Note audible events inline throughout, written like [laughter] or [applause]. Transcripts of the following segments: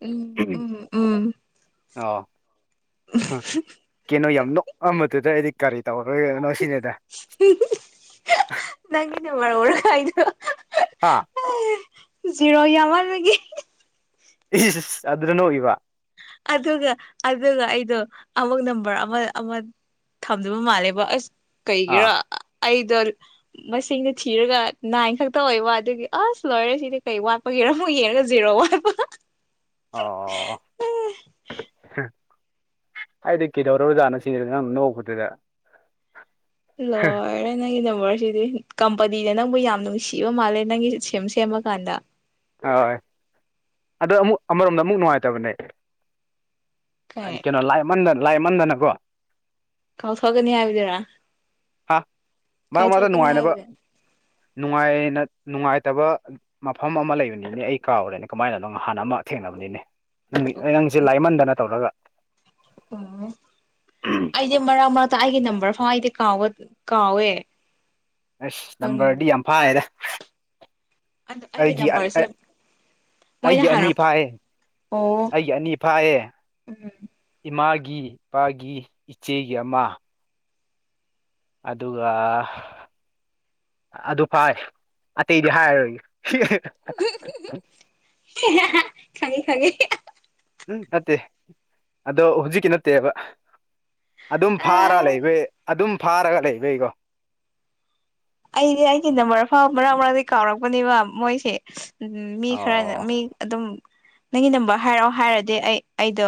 ꯎꯝ ꯎꯝ ꯎꯝ ꯑ ꯀꯩꯅꯣ ꯌꯥꯝ ꯅꯣꯛ ꯑꯃꯗꯨꯗ ꯑꯩꯗꯤ ꯀꯔꯤ ꯇꯧꯔꯣꯏꯅꯣ ꯁꯤꯅꯦꯗ ꯅꯪ ꯏꯅꯦ ꯃꯔꯔ ꯑꯣꯏꯔ ꯍꯥꯏꯗꯣ ꯍꯥꯥ ꯑꯦ ꯔꯍꯤ ꯑꯃꯥ ꯂꯩꯒꯦ ꯏꯁ ꯑꯗꯨꯅ ꯅꯣꯛꯏꯕ ꯑꯗꯨꯒ ꯑꯗꯨꯒ ꯑꯩꯗꯣ ꯑꯃꯨꯛ ꯅꯝꯕꯔ ꯑꯃ ꯊꯝꯗꯕ ꯃꯥꯜꯂꯦꯕ ꯑꯁ ꯑꯥ ꯀꯩꯒꯤꯦꯔꯥ ꯑꯩꯗ ꯃꯁꯤꯡꯗꯨꯣ ꯊꯤꯔꯒ ꯅꯥꯏꯟ ꯈꯛꯇ ꯑꯣꯏꯕ ꯑꯗꯨꯒꯤ ꯑꯁ ꯂꯣꯏꯔꯦ ꯁꯤꯗꯤ ꯀꯩ ꯋꯥꯠ ꯍꯒꯦꯔ ꯑꯃꯨꯛ ꯌꯦꯡꯔꯒ ꯖꯤꯔꯣ ꯋꯥ [inaudible] ꯎꯝ ꯍꯥꯏꯗꯤ ꯀꯩꯗꯧꯔꯔꯕꯖꯥꯅ ꯁꯤ ꯅꯪ ꯅꯣꯛꯧꯕꯗꯨꯗ ꯂꯣꯏꯔꯦ ꯅꯪꯒꯤ ꯅꯝꯕꯔꯁꯤꯗꯤ ꯀꯝꯄꯅꯤꯅ ꯅꯪꯕꯨ ꯌꯥꯝ ꯅꯨꯡꯁꯤꯕ ꯃꯥꯜꯂꯦ ꯅꯪꯒꯤ ꯁꯦꯝ ꯁꯦꯝꯃꯀꯥꯟꯗ ꯍꯣꯏ ꯑꯗꯣ ꯑꯃꯨꯛ ꯑꯃꯔꯣꯝꯗ ꯑꯃꯨꯛ ꯅꯨꯡꯉꯥꯏꯇꯕꯅꯦ ꯀꯩ ꯀꯩꯅꯣ ꯂꯥꯏꯃꯟꯗꯅ ꯂꯥꯏꯃꯟꯗꯅꯀꯣ ꯀꯥꯎꯊꯣꯛꯀꯅꯤ ꯍꯥꯏꯕꯗꯨꯔ ꯍꯥ ꯃꯔꯛ ꯃꯔꯛꯇ ꯀꯥꯎꯊꯣꯛꯀꯅꯤ ꯅꯨꯡꯉꯥꯏꯅꯕ ꯍꯥꯏꯕꯗ ꯅꯨꯡꯉꯥꯏꯅ ꯅꯨꯡꯉꯥꯏꯇꯕ ꯃꯐꯝ ꯑꯃ ꯂꯩ ꯑꯗꯨꯅꯤꯅꯦ ꯑꯩ ꯀꯥꯎꯔꯦꯅꯦ ꯀꯃꯥꯏꯅ ꯑꯗꯨꯣ ꯅꯥꯟ ꯑꯃ ꯊꯦꯡꯅꯕꯅꯤꯅꯦ ꯅꯨꯃꯤꯠ ꯅꯪꯁꯦ ꯑꯣ ꯂꯥꯏꯃꯟꯗꯅ ꯇꯧꯔꯒ ꯑꯣ ꯑꯩꯗꯤ ꯃꯔꯛ ꯃꯔꯛꯇ ꯑꯩꯒꯤ ꯅꯝꯕꯔ ꯐꯥꯎ ꯑꯩꯗꯤ ꯀꯥꯎ ꯀꯥꯎꯋꯦ ꯑꯁ ꯅꯝꯕꯔꯗꯤ ꯈꯪꯗꯦ ꯌꯥꯝ ꯐꯥꯌꯦꯗ ꯑ ꯑꯩꯒꯤ ꯅꯝꯕꯔꯁꯦ ꯃꯣꯏꯅ ꯑꯩꯒꯤ ꯑꯅꯤ ꯍꯥꯏꯔꯛꯄ ꯐꯥꯏ ꯑꯣ ꯑꯩꯒꯤ ꯑꯅꯤ ꯐꯥꯏꯌꯦ ꯎꯝ ꯏꯃꯥꯒꯤ ꯏꯄꯥꯒꯤ ꯏꯆꯦꯒꯤ ꯑꯃ ꯑꯗꯨꯒ ꯑꯗꯨ ꯐꯥꯏ ꯑꯇꯩꯗꯤ ꯍꯥꯏꯔꯣꯏꯒ ꯈꯪꯉꯦ ꯈꯪꯉꯦ ꯎꯝ ꯅꯠꯇꯦ ꯑꯗꯣ ꯍꯧꯖꯤꯛꯀꯤ ꯅꯠꯇꯦꯕ ꯑꯗꯨꯝ ꯐꯥꯔ ꯂꯩꯕꯩ ꯑꯗꯨꯝ ꯐꯥꯔꯒ ꯂꯩꯕꯩꯀꯣ ꯑꯩꯗꯤ ꯑꯩꯒꯤ ꯅꯝꯕꯔ ꯑꯐꯕ ꯃꯔꯛ ꯃꯔꯥꯡꯗꯒꯤ ꯀꯥꯎꯔꯛꯄꯅꯦꯕ ꯃꯣꯏꯁꯦ ꯃꯤ ꯈꯔꯅ ꯑꯣ ꯃꯤ ꯑꯗꯨꯝ ꯅꯪꯒꯤ ꯅꯝꯕꯔ ꯍꯥꯏꯔꯛꯑꯣ ꯍꯥꯏꯔꯗꯤ ꯑꯩ ꯑꯩꯗꯣ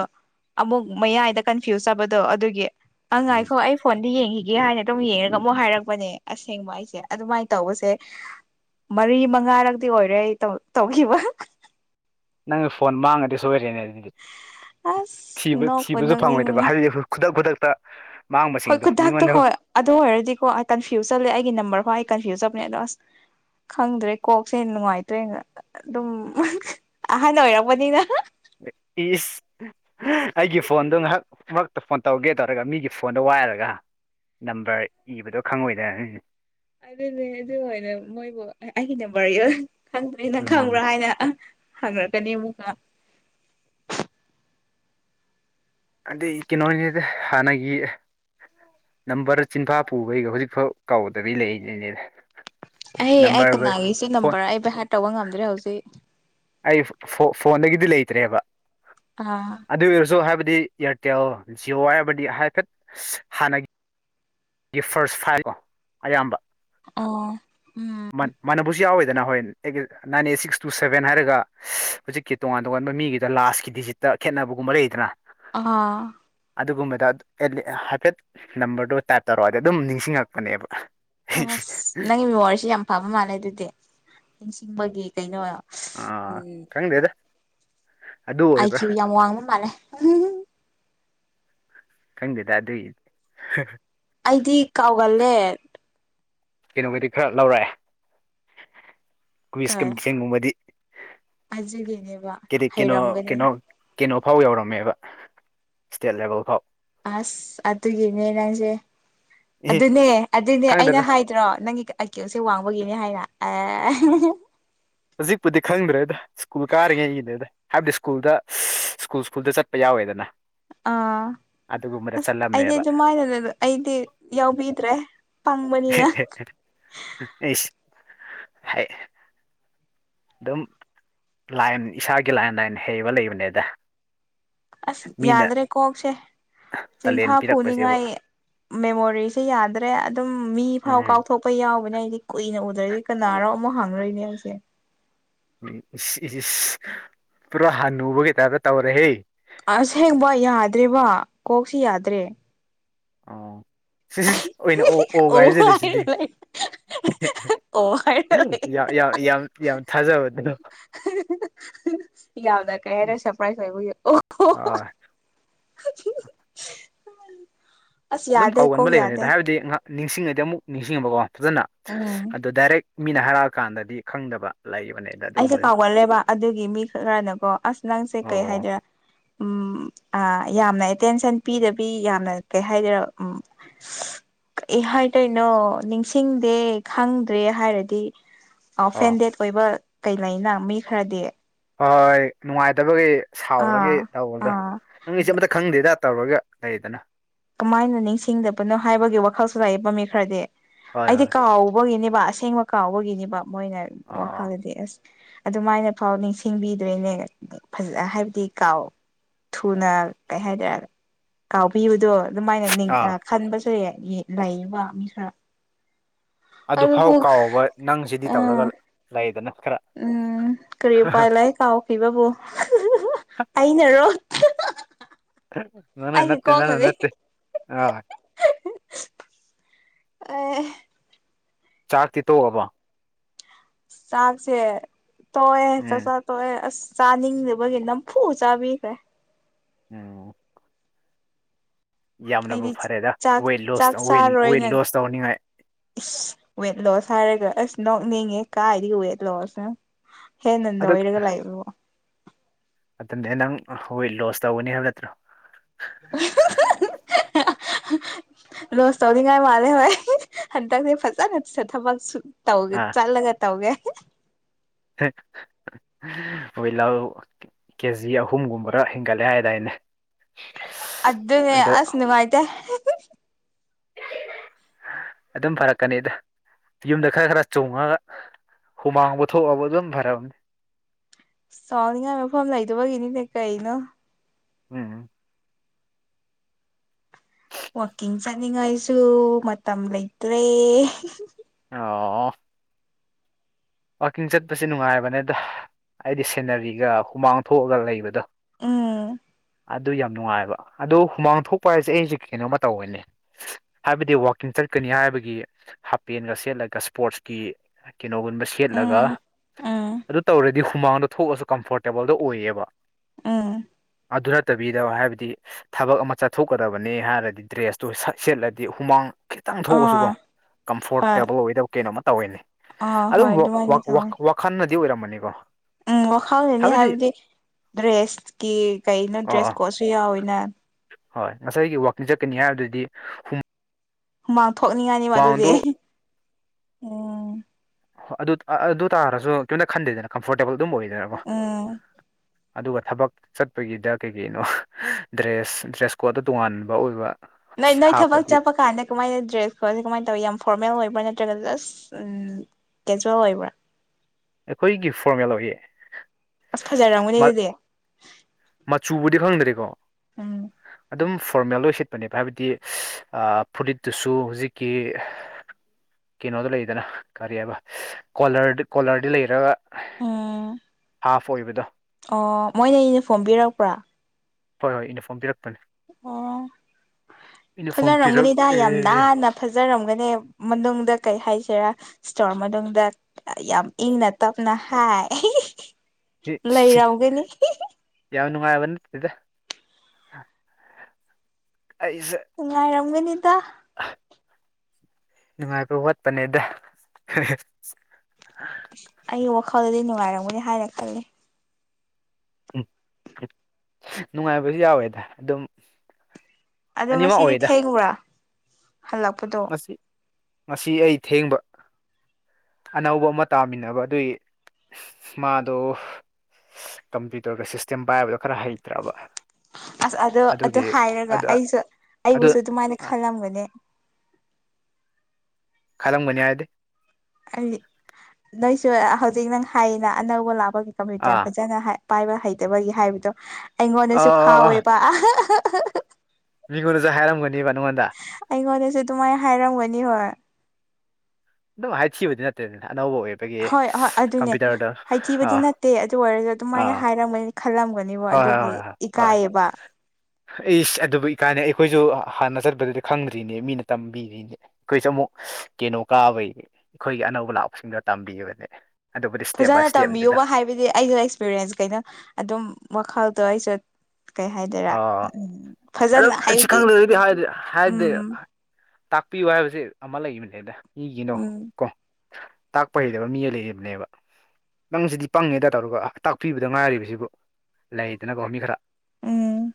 ꯑꯃꯨꯛ ꯃꯌꯥꯏꯗ ꯀꯟꯐ꯭ꯌꯨꯁ ꯇꯕꯗꯣ ꯑꯗꯨꯒꯤ ꯑꯪ ꯉꯥꯏꯈꯣ ꯑꯩ ꯐꯣꯟꯗ ꯌꯦꯡꯈꯤꯒꯦ ꯍꯥꯏꯅ ꯑꯗꯨꯝ ꯌꯦꯡꯉꯒ ꯑꯃꯨꯛ ꯍꯥꯏꯔꯛꯄꯅꯦ ꯑꯁꯦꯡꯕ ꯑꯩꯁꯦ ꯑꯗꯨꯃꯥꯏꯅ ꯇꯧꯕꯁꯦ ꯃꯔꯤ ꯃꯉꯥꯔꯛꯇꯗꯤꯤ ꯑꯣꯏꯔꯦ ꯑꯩ ꯇꯧꯈꯤꯕ ꯅꯪꯅ ꯐꯣꯟ ꯃꯥꯡꯉꯗꯤ ꯁꯣꯏꯔꯦꯅꯦ ꯑꯗꯨꯗꯤ ꯑꯁ ꯅꯣꯛꯄꯨ ꯊꯤꯕꯁꯨ ꯐꯪꯉꯣꯏꯗꯕ ꯅꯣꯛꯅꯤꯡꯕꯅꯦ ꯍꯥꯏ ꯈꯨꯗꯛ ꯈꯨꯗꯛꯇ ꯍꯣꯏ ꯃꯥꯡꯕꯁꯤꯡꯗꯣ ꯈꯨꯗꯛꯇ ꯃꯤꯉꯣꯟꯗ ꯍꯣꯏ ꯑꯗꯨ ꯑꯣꯏꯔꯗꯤꯀꯣ ꯑꯩ ꯀꯟꯐ꯭ꯌꯨꯁ ꯆꯠꯂꯦ ꯑꯩꯒꯤ ꯅꯝꯕꯔ ꯍꯣ ꯑꯩ ꯀꯟꯐ꯭ꯌꯨꯖ ꯇꯕꯅꯦ ꯑꯗꯣ ꯑꯁ ꯈꯪꯗ꯭ꯔꯦ ꯀꯣꯛꯁꯦ ꯅꯨꯡꯉꯥꯏꯇ꯭ꯔꯦ ꯑꯗꯨꯝ ꯑꯍꯥꯟꯕ ꯑꯣꯏꯔꯛꯄꯅꯤꯅ ꯏꯁ ꯑꯩꯒꯤ ꯐꯣꯟꯗꯣ ꯉꯥꯏꯍꯥꯛ ꯃꯔꯛꯇ ꯐꯣꯟ ꯇꯧꯒꯦ ꯇꯧꯔꯒ ꯃꯤꯒꯤ ꯐꯣꯟꯗꯣ ꯋꯥꯏꯔꯒ ꯅꯝꯕꯔ ꯏꯕꯗꯣ ꯈꯪꯉꯣꯏꯗ ꯑꯗꯨꯅꯦ ꯑꯗꯨ ꯑꯣꯏꯅ ꯃꯣꯏꯕꯨ ꯑꯩꯒꯤ ꯅꯝꯕꯔ ꯌ ꯈꯪꯗꯅꯤ ꯅꯪ ꯎꯝ ꯈꯪꯕ꯭ꯔꯥ ꯍꯥꯏꯅ ꯍ꯭ꯔꯠꯇꯅꯤ ꯑꯗꯤ ꯀꯩꯅꯣꯅꯤꯗꯤ ꯍꯥꯟꯅꯒꯤ ꯅꯝꯕꯔ ꯆꯤꯟꯐꯥ ꯄꯨꯕꯩꯒ ꯍꯧꯖꯤꯛꯐꯥꯎ ꯀꯥꯎꯗꯕꯤ ꯂꯩꯔꯤꯅꯤꯅꯦꯗ ꯑꯩ ꯑꯩ ꯀꯅꯥꯒꯤꯁꯦ ꯅꯝꯕꯔ ꯑꯩ ꯚ ꯍꯥꯏꯠ ꯇꯧꯕ ꯉꯝꯗ꯭ꯔꯦ ꯍꯧꯖꯤꯛ ꯑꯩ ꯐꯣꯟꯗꯒꯤꯗꯤ ꯂꯩꯇ꯭ꯔꯦꯕ ꯑꯥ ꯑꯗꯨ ꯑꯣꯏꯔꯁꯨ ꯍꯥꯏꯕꯗꯤ ꯏꯌꯥꯔꯇꯦꯜ ꯖꯤꯑꯣ ꯍꯥꯏꯕꯗꯤ ꯍꯥꯏꯐꯦꯠ ꯍꯥꯟꯅꯒꯤ ꯒꯤ ꯐꯥꯔꯁ ꯐꯥꯏꯜ ꯀꯣ ꯑꯌꯥꯝꯕ ꯑꯣ ꯎꯝ ꯃꯅꯕꯨꯁꯨ ꯌꯥꯎꯋꯦꯗꯅ ꯍꯣꯏ ꯑꯦ nine eight six two seven ꯍꯥꯏꯔꯒ ꯍꯧꯖꯤꯛꯀꯤ ꯇꯣꯉꯥꯟ ꯇꯣꯉꯥꯟꯕ ꯃꯤꯒꯤꯗ ꯂꯥꯁꯀꯤ ꯗꯤꯖꯤꯠꯇ ꯈꯦꯠꯅꯕꯒꯨꯝꯕ ꯂꯩꯗꯅ ꯑꯥ ꯑꯗꯨꯒꯨꯝꯕꯗ ꯍꯥꯏꯐꯦꯠ ꯅꯝꯕꯔꯗꯣ ꯇꯥꯏꯞ ꯇꯧꯔꯛꯑꯣꯗꯤ ꯑꯗꯨꯝ ꯅꯤꯡꯁꯤꯡꯉꯛꯄꯅꯦꯕ ꯑꯁ ꯅꯪꯒꯤ ꯃꯦꯋꯥꯔꯤꯁꯤ ꯌꯥꯝ ꯐꯕ ꯃꯥꯜꯂꯦ ꯑꯗꯨꯗꯤ ꯅꯤꯡꯁꯤꯡꯕꯒꯤ ꯀꯩꯅꯣ ꯎꯝ ꯍꯪꯗꯦꯗ ꯑꯥꯏ ꯀꯌꯨ ꯌꯥꯝ ꯋꯥꯡꯅ ꯃꯥꯜꯂꯦ ꯈꯟꯗ ꯑꯗꯨ ꯏ ꯑꯩꯗꯤ ꯀꯥꯎꯒꯜꯂꯦ ꯀꯩꯅꯣꯒꯗꯤ ꯈꯔ ꯂꯧꯔꯛꯑꯦ ꯀꯨꯏꯁꯀꯦꯡꯒꯨꯝꯕꯗꯤ ꯑꯗꯨꯒꯤꯅꯦꯕ ꯍꯩꯔꯝꯒꯅꯤ ꯀꯦꯩꯅꯣ ꯐꯥꯎ ꯌꯥꯎꯔꯝꯃꯦꯕ ꯁ꯭ꯇꯦꯠ ꯂꯦꯕꯦꯜ ꯐꯥꯎ ꯑꯁ ꯑꯗꯨꯒꯤꯅꯦ ꯅꯪꯁꯦ ꯑꯦ ꯑꯗꯨꯅꯦ ꯑꯗꯨꯅꯦ ꯑꯩꯅ ꯈꯪꯗ꯭ꯔꯦꯗ ꯍꯥꯏ ꯅꯠꯇ꯭ꯔꯣ ꯅꯪꯒꯤ ꯑꯀꯌꯁꯦ ꯋꯥꯡꯕꯒꯤꯅꯤ ꯍꯥꯏꯅ ꯑꯦ ꯍꯧꯖꯤꯛꯄꯨꯗꯤ ꯈꯪꯗ꯭ꯔꯦꯗ ꯁ꯭ꯀꯨꯜ ꯀꯥꯔꯤꯉꯩꯒꯤꯅꯦꯗ ꯍꯥꯏꯕꯗꯤ ꯁ꯭ꯀꯨꯜꯗ ꯁ꯭ꯀꯨꯜ ꯁ꯭ꯀꯨꯜꯗ ꯆꯠꯄ ꯌꯥꯎꯋꯦꯗꯅ ꯑꯥ ꯑꯗꯨꯒꯨꯝꯕꯗ ꯑꯁ ꯑꯩꯗꯤ ꯆꯠꯂꯝꯃꯦꯕ ꯑꯗꯨꯃꯥꯏꯅꯗ ꯑꯩꯗꯤ ꯌꯥꯎꯕꯤꯗ꯭ꯔꯦ ꯄꯪꯕꯅꯤꯅ ꯏꯁ ꯍꯥꯏ ꯑꯗꯨꯝ ꯂꯥꯏꯟ ꯏꯁꯥꯒꯤ ꯂꯥꯏꯟ ꯂꯥꯏꯟ ꯍꯩꯕ ꯂꯩꯕꯅꯦꯗ ꯑꯁ ꯃꯤꯅ ꯌꯥꯗ꯭ꯔꯦ ꯀꯣꯛꯁꯦ ꯇꯥꯂꯦꯟ ꯆꯤꯟꯐꯥ ꯄꯤꯔꯛꯄꯁꯤꯕꯨ ꯐꯨꯅꯤꯉꯥꯏ ꯃꯦꯃꯣꯔꯤꯁꯦ ꯌꯥꯗ꯭ꯔꯦ ꯑꯗꯨꯝ ꯃꯤ ꯐꯥꯎ ꯎꯝ ꯀꯥꯎꯊꯣꯛꯄ ꯌꯥꯎꯕꯅꯦ ꯍꯥꯏꯗꯤ ꯀꯨꯏꯅ ꯎꯗ꯭ꯔꯗꯤ ꯀꯅꯥꯔꯥꯎ ꯑꯃꯛ ꯍꯥꯡꯅꯣꯏꯅꯦ ꯑꯩꯁꯦ ꯎꯝ ꯏꯁ ꯄꯨꯔꯥ ꯍꯟꯅꯨꯕꯒꯤꯩꯇꯞꯇ ꯇꯧꯔꯦꯍꯦ ꯑꯁꯦꯡꯕ ꯌꯥꯗ꯭ꯔꯦꯕ ꯀꯣꯛꯁꯤ ꯌꯥꯗ꯭ꯔꯦ ꯑꯣ ꯁꯤꯁꯤ ꯑꯣꯏꯅ ꯑꯣ ꯑꯣꯒ ꯍꯥꯏꯁꯤꯂꯦ ꯁꯤꯗꯤ ꯍꯥꯏꯔ ꯂꯩ ꯑꯣ ꯍꯥꯏꯔ ꯌꯥꯝ ꯌꯥꯝ ꯊꯥꯖꯕꯗꯨꯅꯣ ꯌꯥꯝꯅ ꯀꯩ ꯍꯥꯏꯔꯦ ꯁꯔꯄ꯭ꯔꯥꯏꯁ ꯑꯣꯏꯕꯒꯤ ꯑꯣ ꯑ ꯑꯁ ꯑꯗꯨꯝ ꯌꯥꯗꯦ ꯀꯣꯛ ꯀꯥꯎꯒꯟꯕ ꯌꯥꯗꯦ ꯂꯩꯕꯅꯤꯗ ꯍꯥꯏꯕꯗꯤ ꯉꯍꯥꯛ ꯅꯤꯡꯁꯤꯡꯉꯗꯤ ꯑꯃꯨꯛ ꯅꯤꯡꯁꯤꯡꯉꯕꯀꯣ ꯐꯖꯅ ꯑꯣ ꯑꯗꯨꯣ ꯗꯥꯏꯔꯦꯛ ꯃꯤꯅ ꯍꯥꯏꯔꯛꯑꯀꯥꯟꯗꯗꯤ ꯈꯪꯗꯕ ꯂꯩꯕꯅꯦ ꯑꯩꯁꯦ ꯀꯥꯎꯒꯜꯂꯦꯕ ꯑꯗꯨꯒꯤ ꯃꯤ ꯈꯔ ꯈꯔꯅꯀꯣ ꯑꯁ ꯅꯪꯁꯦ ꯀꯩ ꯑꯣ ꯍꯥꯏꯗꯣꯏꯔꯥ ꯎꯝ ꯑ ꯌꯥꯝꯅ ꯑꯦꯇꯦꯟꯁꯟ ꯄꯤꯗꯕꯤ ꯌꯥꯝꯅ ꯀꯩ ꯍꯥꯏꯗꯔ ꯎꯝ [inaudible] ꯀ ꯑꯦ ꯍꯥꯏꯗꯣꯏꯩꯅꯣ ꯅꯤꯡꯁꯤꯡꯗꯦ ꯈꯪꯗ꯭ꯔꯦ ꯍꯥꯏꯔꯗꯤ ꯑ ꯑꯣ ꯐꯦꯟꯗꯦꯠ ꯑꯣꯏꯕ ꯀꯩ ꯂꯩꯅ ꯃꯤ ꯈꯔꯗꯤ ꯍꯣꯏ ꯅꯨꯡꯉꯥꯏꯇꯕꯒꯤ ꯁꯥꯎ꯭ꯔꯒꯤ ꯑꯥ ꯇꯧꯕꯗꯣ ꯑꯥ ꯅꯪꯒꯤꯆꯦ ꯑꯃꯇ ꯈꯪꯗꯦꯗ ꯇꯧꯔꯒ ꯂꯩꯗꯅ ꯀꯃꯥꯏꯅ ꯅꯤꯡꯁꯤꯡꯗꯕꯅꯣ ꯍꯥꯏꯕꯒꯤ ꯋꯥꯈꯜꯁꯨ ꯂꯥꯛꯌꯦ ꯄꯝꯃꯤ ꯈ꯭ꯔꯗꯤ ꯍꯣꯏ ꯑꯩꯗꯤ ꯍꯣꯏ ꯀꯥꯎ ꯎꯒꯤꯅꯦꯕ ꯑꯁꯦꯡꯕ ꯀꯥꯎꯕꯒꯤꯅꯤꯕ ꯃꯣꯏꯅ ꯑꯣ ꯋꯥꯈꯜꯗꯗꯤ ꯑꯁ ꯑꯗꯨꯃꯥꯏꯅ ꯐꯥꯎ ꯅꯤꯡꯁꯤꯡꯕꯤꯗꯣꯏꯅꯦ ꯐꯖ ꯍꯥꯏꯕꯗꯤ ꯀꯥꯎ ꯊꯨꯅ ꯀꯩ ꯍꯥꯏꯇꯥꯔꯦ ꯀꯥꯎꯕꯤꯕꯗꯣ ꯑꯗꯨꯃꯥꯏꯅ ꯑꯥ ꯈꯟꯕꯁꯨ ꯌꯥ ꯂꯩꯔꯤꯕꯕ ꯃꯤ ꯈꯔ ꯑꯗꯨꯐꯥꯎ ꯑꯗꯨꯕꯨ ꯀꯥꯎꯕ ꯅꯪꯖꯤꯗꯤ ꯇꯧꯔꯒ ꯑꯥ ꯂꯩꯗꯅ ꯈꯔ ꯎꯝ ꯀꯔꯤ ꯎꯄꯥꯏ ꯂꯩ ꯀꯥꯎ ꯄꯤꯕꯕꯨ ꯑꯩꯅꯔꯣ ꯅꯪꯅ ꯑꯩꯒꯤ ꯅꯠꯇꯦ ꯅꯪꯅ ꯀꯣꯛꯅꯅꯦ ꯅꯠꯇꯦ ꯑꯥ ꯑꯩ ꯆꯥꯛꯇꯤ ꯇꯣꯛꯑꯕꯣ ꯆꯥꯛꯁꯦ ꯇꯣꯛꯑꯦ ꯎꯝ ꯆꯆꯠ ꯇꯣꯛꯑꯦ ꯑꯁ ꯆꯥꯅꯤꯡꯗꯕꯒꯤ ꯅꯝꯐꯨ ꯆꯥꯕꯤꯈ꯭ꯔꯦ ꯎꯝ ꯌꯥꯝꯅꯕꯨ ꯑꯩꯗꯤ ꯐꯔꯦꯗ ꯆꯥꯛ ꯋꯦ ꯂꯣꯁ ꯆꯥꯛ ꯋꯤꯜ ꯋꯦꯠ ꯆꯥꯔꯣꯏꯅ ꯂꯣꯁ ꯇꯧꯅꯤꯡꯉꯥꯏ ꯏꯁ ꯋꯦꯠ ꯂꯣꯁ ꯍꯥꯏꯔꯒ ꯑꯁ ꯅꯣꯛꯅꯤꯡꯉꯦ ꯀꯥꯏꯗꯒꯤ ꯋꯦꯠ ꯂꯣꯁꯅꯣ ꯍꯦꯟꯅ ꯑꯗꯨ ꯅꯣꯏꯔꯒ ꯂꯩꯕꯕꯨ ꯑꯇꯟꯗꯦ ꯅꯪ ꯑꯩꯈꯣꯏ ꯂꯣꯁ ꯇꯧꯒꯅꯤ ꯍꯥꯏꯕ ꯅꯠꯇ꯭ꯔꯣ [inaudible] ꯂꯣꯁ ꯇꯧꯅꯤꯡꯉꯥꯏ ꯃꯥꯂꯦ ꯍꯣꯏ ꯍꯟꯇꯛꯗꯤ ꯐꯖꯅ ꯊꯕꯛ ꯁꯨ ꯇꯧꯒꯦ ꯑꯥ ꯆꯠꯂꯒ ꯇꯧꯒꯦ ꯍꯣꯏ ꯂꯧ ꯀꯦꯖꯤ ꯑꯍꯨꯝꯒꯨꯝꯕꯔꯥ ꯍꯦꯟꯒꯠꯂꯦ ꯍꯥꯏꯗꯥꯏꯅꯦ ꯑꯗꯨꯅꯦ ꯑꯗ ꯑꯁ ꯅꯨꯡꯉꯥꯏꯇꯦ ꯑꯗꯨꯝ ꯐꯔꯛꯀꯅꯤꯗ ꯌꯨꯝꯗ ꯈꯔ ꯈꯔ ꯆꯣꯡꯉꯒ ꯍꯨꯃꯥꯡꯕꯨ ꯊꯣꯛꯑꯕ ꯑꯗꯨꯝ ꯐꯔꯕꯅꯤ ꯆꯥꯎꯅꯤꯡꯉꯥꯏ ꯃꯐꯝ ꯂꯩꯇꯕꯒꯤꯅꯤꯅꯦ ꯀꯩꯅꯣ ꯎꯝ ꯋꯥꯛꯀꯤꯡ ꯆꯠꯅꯤꯡꯉꯥꯏꯁꯨ ꯃꯇꯝ ꯂꯩꯇ꯭ꯔꯦ ꯑꯣ ꯋꯥꯛꯀꯤꯡ ꯆꯠꯄꯁꯦ ꯅꯨꯡꯉꯥꯏꯕꯅꯦꯗ ꯑꯩꯗꯤ ꯁꯦꯅꯔꯤꯒꯥ ꯍꯨꯃꯥꯡ ꯊꯣꯛꯑꯒ ꯂꯩꯕꯗꯣ ꯎꯝ ꯑꯗꯨ ꯌꯥꯝ ꯅꯨꯡꯉꯥꯏꯑꯕ ꯑꯗꯨ ꯍꯨꯃꯥꯡ ꯊꯣꯛꯄ ꯍꯥꯏꯁꯦ ꯑꯩ ꯍꯧꯖꯤꯛꯀꯤ ꯀꯩꯅꯣꯝꯃ ꯇꯧꯋꯦꯅꯦ ꯍꯥꯏꯕꯗꯤ ꯋꯥꯛꯀꯤꯡ ꯆꯠꯀꯅꯤ ꯍꯥꯏꯕꯒꯤ ꯍꯥꯄꯦꯟꯒ ꯁꯦꯠꯂꯒ ꯏꯁꯄꯣꯔ꯭ꯠꯁꯀꯤ ꯀꯩꯅꯣꯒꯨꯟ ꯀꯦꯠꯂꯒ ꯎꯝ ꯎꯝ ꯑꯗꯨ ꯇꯧꯔꯗꯤ ꯍꯨꯃꯥꯡꯗꯣ ꯊꯣꯛꯑꯁꯨ ꯀꯝꯐꯣꯔꯇꯦꯕꯜꯗꯣ ꯑꯣꯏꯌꯦꯕ ꯎꯝ ꯑꯗꯨ ꯅꯠꯇꯕꯤꯗ ꯍꯥꯏꯕꯗꯤ ꯊꯕꯛ ꯑꯃ ꯆꯠꯊꯣꯛꯀꯗꯕꯅꯤ ꯍꯥꯏꯔꯗꯤ ꯗ꯭ꯔꯦꯁꯇꯨ ꯁꯠ ꯁꯦꯠꯂꯗꯤ ꯍꯨꯃꯥꯡ ꯈꯤꯇꯪ ꯑꯥ ꯊꯣꯛꯑꯁꯨꯀꯣ ꯍꯣꯏ ꯀꯝꯐꯣꯔꯇꯦꯕꯜ ꯑꯣꯏꯗꯕ ꯀꯩꯅꯣꯝꯃ ꯇꯧꯋꯦꯅꯦ ꯑꯥ ꯍꯣꯏ ꯑꯗꯨꯕꯥꯥꯏꯅꯤ ꯇꯧꯋꯦ ꯋꯥꯈꯟꯅꯗꯤ ꯑꯣꯏꯔꯝꯃꯅꯤꯀꯣ ꯎꯝ ꯋꯥꯈꯜꯂꯅꯤ ꯍꯥꯏꯕꯗꯤ ꯗ꯭ꯔꯦꯁꯀꯤ ꯀꯩꯅꯣ ꯑꯣ ꯗ꯭ꯔꯦꯁ ꯑꯣ ꯀꯣꯠꯁꯨ ꯌꯥꯎꯋꯤꯅ ꯍꯣꯏ ꯉꯁꯥꯏꯒꯤ ꯋꯥꯛꯇ ꯆꯠꯀꯅꯤ ꯍꯥꯏꯕꯗꯨꯗꯤ ꯍꯨꯝ ꯍꯨꯃꯥꯡ ꯊꯣꯛꯅꯤꯡꯉꯥꯏꯅꯤꯕ ꯑꯗꯨꯗꯤ ꯎꯝ ꯑꯗꯨꯠ ꯑꯗꯨ ꯇꯥꯔꯁꯨ ꯀ꯭ꯌꯨꯗ ꯈꯟꯗꯦꯗꯅ ꯀꯝꯐꯣꯔꯇꯦꯕꯜ ꯑꯗꯨꯝ ꯑꯣꯏꯗꯅꯥꯀꯣ ꯑꯗꯨꯒ ꯊꯕꯛ ꯆꯠꯄꯒꯤꯗ ꯀꯩ ꯀꯩꯅꯣ ꯗ꯭ꯔꯦꯁ ꯗ꯭ꯔꯦꯁ ꯀꯣꯠꯇꯣ ꯇꯣꯡꯉꯥꯟꯕ ꯑꯣꯏꯕ ꯅꯩ ꯅꯣꯏ ꯊꯕꯛ ꯍꯥꯞꯄꯗꯤ ꯆꯠꯄ ꯀꯥꯟꯗ ꯀꯃꯥꯏꯅ ꯗ꯭ꯔꯦꯁ ꯈꯣꯠꯁꯦ ꯀꯃꯥꯏꯅ ꯇꯧꯋꯤ ꯌꯥꯝ ꯐꯣꯔꯃꯦꯜ ꯑꯣꯏꯕ꯭ꯔꯥ ꯅꯠꯇ꯭ꯔꯒ ꯖ꯭ꯁ ꯀꯦꯖꯨꯋꯦꯜ ꯑꯣꯏꯕ꯭ꯔꯥ ꯑꯩꯈꯣꯏꯒꯤ ꯐꯣꯔꯃꯦꯜ ꯑꯣꯏꯌꯦ ꯑꯁ ꯐꯖꯔꯝꯒꯅꯤ ꯑꯗꯨꯗꯤ ꯃꯆꯨꯕꯨꯗꯤ ꯈꯪꯗꯔꯤꯀꯣ ꯎꯝ ꯑꯗꯨꯝ ꯐꯣꯔꯃꯦꯜ ꯑꯣꯏ ꯁꯤꯠꯄꯅꯦꯕ ꯍꯥꯏꯕꯗꯤ ꯑꯥ ꯐꯨꯔꯤꯠꯇꯨꯁꯨ ꯍꯧꯖꯤꯛꯀꯤ ꯀꯦꯩꯅꯣꯗꯣ ꯂꯩꯗꯅ ꯀꯔꯤ ꯍꯥꯏꯕ ꯀꯣꯂꯔ ꯀꯣꯂꯔꯗꯤ ꯂꯩꯔꯕ ꯎꯝ ꯍꯥꯐ ꯑꯣꯏꯕꯗꯣ ꯑꯣ ꯃꯣꯏꯅ ꯌꯨꯅꯤꯐꯣꯔꯝ ꯄꯤꯔꯛꯄ꯭ꯔꯥ ꯍꯣꯏ ꯍꯣꯏ ꯏꯅꯤꯐꯣꯔꯝ ꯄꯔꯛꯄꯅꯤ ꯑꯣ ꯌꯨꯅꯤꯐꯣꯔꯝ ꯄꯤꯔꯛ ꯐꯖꯔꯝꯒꯅꯤꯗ ꯌꯥꯝ ꯑꯦ ꯅꯥꯟꯅ ꯐꯖꯔꯝꯒꯅꯤ ꯃꯅꯨꯡꯗ ꯀꯩ ꯍꯥꯏꯁꯤꯔꯥ ꯏꯁꯇꯣꯔ ꯃꯅꯨꯡꯗ ꯌꯥꯝ ꯏꯪꯅ ꯇꯞꯅ ꯍꯥꯏ ꯍ ꯂꯩꯔꯝꯒꯅꯤ ꯌꯥꯝ ꯅꯨꯡꯉꯥꯏꯕ ꯅꯠꯇꯦꯗ ꯑꯩꯁꯦ ꯅꯨꯡꯉꯥꯏꯔꯝꯒꯅꯤꯗ ꯅꯨꯡꯉꯥꯏꯕ ꯋꯥꯠꯄꯅꯦꯗ ꯑꯩꯒꯤ ꯋꯥꯈꯜꯗꯗꯤ ꯅꯨꯡꯉꯥꯏꯔꯝꯒꯗꯤ ꯍꯥꯏꯔꯛꯀꯅꯤ ꯎꯝ ꯅꯨꯡꯉꯥꯏꯕꯁꯨ ꯌꯥꯎꯋꯦꯗ ꯑꯗꯨꯝ ꯑꯗꯣ ꯑꯅꯤꯃꯛ ꯉꯁꯤꯗꯤ ꯑꯣꯏꯌꯦꯗ ꯊꯩ꯭ꯔꯥ ꯍꯜꯂꯛꯄꯗꯣ ꯉꯁꯤ ꯑꯩ ꯊꯦꯡꯕ ꯑꯅꯧꯕ ꯑꯃ ꯇꯥꯃꯤꯟꯅꯕ ꯑꯗꯨꯏ ꯃꯥꯗꯣ ꯀꯝꯄ꯭ꯌꯨꯇꯔꯒ ꯁꯤꯁꯇꯦꯝ ꯄꯥꯏꯕꯗꯣ ꯈꯔ ꯍꯩꯇ꯭ꯔꯕ ꯑꯁ ꯑꯗꯣ ꯑꯗꯨ ꯑꯗꯨꯒꯤ ꯍꯥꯏꯔꯒ ꯑꯩꯁꯨ ꯑꯗꯨ ꯑꯩꯕꯨꯁꯨ ꯑꯗꯨꯃꯥꯏꯅ ꯈꯟꯂꯝꯒꯅꯤ ꯈꯜꯂꯝꯒꯅꯤ ꯍꯥꯏꯗꯤ ꯑꯩ ꯅꯣꯏꯁꯨ ꯍꯧꯖꯤꯛ ꯅꯪ ꯍꯥꯏꯌꯦꯅ ꯑꯅꯧꯕ ꯂꯥꯛꯄꯒꯤ ꯀꯝꯄ꯭ꯌꯨꯇꯔ ꯑꯥ ꯐꯖꯅ ꯍꯥꯏ ꯄꯥꯏꯕ ꯍꯩꯇꯕꯒꯤ ꯍꯥꯏꯕꯗꯣ ꯑꯥ ꯑꯩꯉꯣꯟꯗꯁꯨ ꯑꯥ ꯐꯥꯎꯋꯦꯕ ꯃꯤꯉꯣꯟꯨꯁꯨ ꯍꯥꯏꯔꯝꯒꯅꯤꯕ ꯅꯪꯣꯟꯗꯗꯥ ꯑꯩꯉꯣꯟꯗꯁꯨꯦ ꯑꯗꯨꯃꯥꯏ ꯍꯥꯏꯔꯝꯒꯅꯤ ꯍꯣꯏ ꯑꯗꯨꯝ ꯍꯥꯏ ꯊꯕꯗꯤ ꯅꯠꯇꯦꯅꯤꯅꯦ ꯑꯅꯧꯕ ꯑꯣꯏꯕ ꯍꯣꯏ ꯍꯣꯏ ꯑꯗꯨꯅꯦ ꯍꯩꯊꯤꯕꯗꯤ ꯑꯥ ꯅꯠꯇꯦ ꯑꯗꯨ ꯑꯣꯏꯔꯒ ꯑꯗꯨꯃꯥꯏꯅ ꯑꯥ ꯍꯥꯏꯔꯝꯒꯅꯤ ꯈꯜꯂꯝꯒꯅꯤꯕ ꯍꯣꯏ ꯍꯣꯏ ꯑꯗꯨꯒꯤ ꯍꯣꯏ ꯍꯣꯏ ꯍꯣꯏ ꯏꯀꯥꯕ ꯑꯩꯁ ꯑꯗꯨꯕꯨ ꯏꯀꯥꯏꯅꯦ ꯑꯩꯈꯣꯏꯖꯨ ꯍꯥꯟꯅ ꯆꯠꯄꯗꯗꯤ ꯈꯪꯗ꯭ꯔꯤꯅꯦ ꯃꯤꯅ ꯇꯝꯕꯤꯔꯤꯅꯦ ꯑꯩꯈꯣꯏꯁꯨꯃꯨꯛ ꯀꯩꯅꯣ ꯀꯥꯕꯩ ꯈꯣꯏꯒꯤ ꯑꯅꯧꯕ ꯂꯥꯛꯄꯁꯤꯡꯗ ꯇꯝꯕꯤꯔꯤꯕꯅꯦ ꯐꯖꯅ ꯇꯝꯕꯤꯌꯨꯕ ꯍꯥꯏꯕꯗꯤ ꯑꯩꯅ ꯑꯦꯛꯁꯄꯤꯔꯤꯌꯦꯟꯁ ꯀꯩꯅꯣ ꯑꯗꯨꯝ ꯋꯈꯥꯜꯗꯣ ꯑꯩꯁꯨ ꯀꯩ ꯍꯥꯏꯗꯣꯏꯔꯥ ꯑꯣ ꯎꯝ ꯐꯖꯅ ꯑꯗꯨꯝ ꯑꯩꯁꯨ ꯍꯥꯏꯕꯗꯤ ꯈꯪꯗꯦ ꯑꯗꯨꯗꯤ ꯍꯥꯏꯗꯤ ꯍꯥꯏꯗꯦ ꯎꯝ ꯇꯥꯛꯄꯤꯌꯨ ꯍꯥꯏꯕꯁꯦ ꯑꯃ ꯂꯩꯕꯅꯦꯗ ꯃꯤꯒꯤꯅꯣ ꯎꯝ ꯀꯣ ꯇꯥꯛꯄ ꯍꯩꯇꯕ ꯃꯤ ꯂꯩꯔꯤꯕꯅꯦꯕ ꯅꯪꯁꯤꯗꯤ ꯄꯪꯉꯦꯗ ꯇꯧꯔꯒ ꯇꯥꯛꯄꯤꯕꯗ ꯉꯥꯏꯔꯤꯕꯁꯤꯕꯨ ꯂꯩꯗꯅꯀꯣ ꯃꯤ ꯈꯔ ꯎꯝ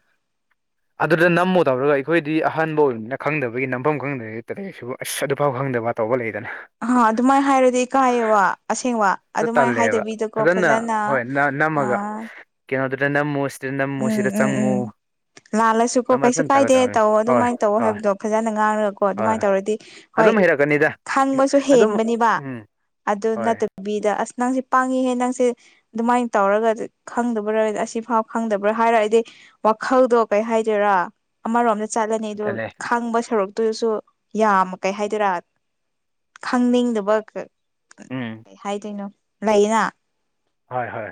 ꯑꯗꯨꯗ ꯅꯝꯃꯨ ꯇꯧꯔꯒ ꯑꯩꯈꯣꯏꯗꯤ ꯑꯍꯟꯕ ꯑꯣꯏꯕꯅꯤꯅ ꯈꯪꯗꯕꯩ ꯅꯝꯐꯝ ꯈꯪꯗ꯭ꯔꯦ [unintelligible] ꯑꯁ ꯑꯗꯨꯐꯥꯎ ꯈꯪꯗꯕ ꯇꯧꯕ ꯂꯩꯗꯅ ꯑ ꯑꯗꯨꯃꯥꯏꯅ ꯍꯥꯏꯔꯗꯤ ꯀꯥꯏꯌꯦꯕ ꯑꯁꯦꯡꯕ ꯑꯗꯨ ꯑꯗꯨꯃꯥꯏꯅ ꯇꯜꯂꯦꯕ ꯍꯥꯏꯗꯕꯤꯗꯀꯣ ꯐꯖꯅ ꯍꯣꯏ ꯅ-ꯅꯝꯃꯒ ꯑꯥ ꯀꯩꯅꯣꯗꯨꯗ ꯅꯝꯃꯨꯁ ꯎꯝ ꯇꯔꯤꯗꯝꯝꯃꯨꯁꯤꯗ ꯎꯝ ꯎꯝ ꯆꯪꯉꯨ ꯂꯥꯜꯂꯁꯨꯀꯣ ꯑꯗꯨꯃꯥꯏ ꯀꯩꯁꯨ ꯐꯖꯅ ꯀꯥꯏꯗꯦ ꯇꯧꯒꯗꯕꯅꯤ ꯇꯧ ꯍꯣꯏ ꯑꯗꯨꯃꯥꯏꯅ ꯇꯧ ꯍꯣꯏ ꯍꯥꯏꯕꯗꯣ ꯐꯖꯅ ꯉꯥꯡꯉꯒꯀꯣ ꯍꯣꯏ ꯑꯗꯨꯃꯥꯏꯅ ꯍꯣꯏ ꯇꯧꯔꯗꯤ ꯍꯣꯏ ꯑꯗꯨꯝ ꯍꯩꯔꯛꯀꯅꯤꯗ ꯈꯪꯕꯁꯨ ꯑꯗꯨꯝ ꯍꯦꯟꯕꯅꯤꯕ ꯎꯝ ꯑꯗꯨ ꯍꯣꯏ ꯅꯠꯇ ꯕꯤꯗ ꯑꯁ ꯅꯪꯁꯦ ꯄꯪꯉꯤꯍꯦ ꯅꯪꯁꯦ ꯑꯗꯨꯃꯥꯏꯅ ꯇꯧꯔꯒ ꯗ ꯈꯪꯗꯕꯔ ꯑꯁꯤꯐꯥꯎ ꯈꯪꯗꯕ꯭ꯔꯥ ꯍꯥꯏꯔ ꯑꯩꯗꯤ ꯋꯥꯈꯜꯗꯣ ꯀꯩ ꯍꯥꯏꯗꯣꯏꯔꯥ ꯑꯃꯔꯣꯝꯗ ꯆꯠꯂꯅꯤ ꯑꯗꯣ ꯊꯜꯂꯦ ꯈꯪꯕ ꯁꯔꯨꯛꯇ ꯗꯨꯁꯨ ꯌꯥꯝ ꯀꯩ ꯍꯥꯏꯗꯣꯏꯔꯥ ꯈꯪꯅꯤꯡꯗꯕ ꯀ ꯎꯝ ꯀ ꯍꯥꯏꯗꯣꯏꯅꯣ ꯂꯩꯅ ꯍꯣꯏ ꯍꯣꯏ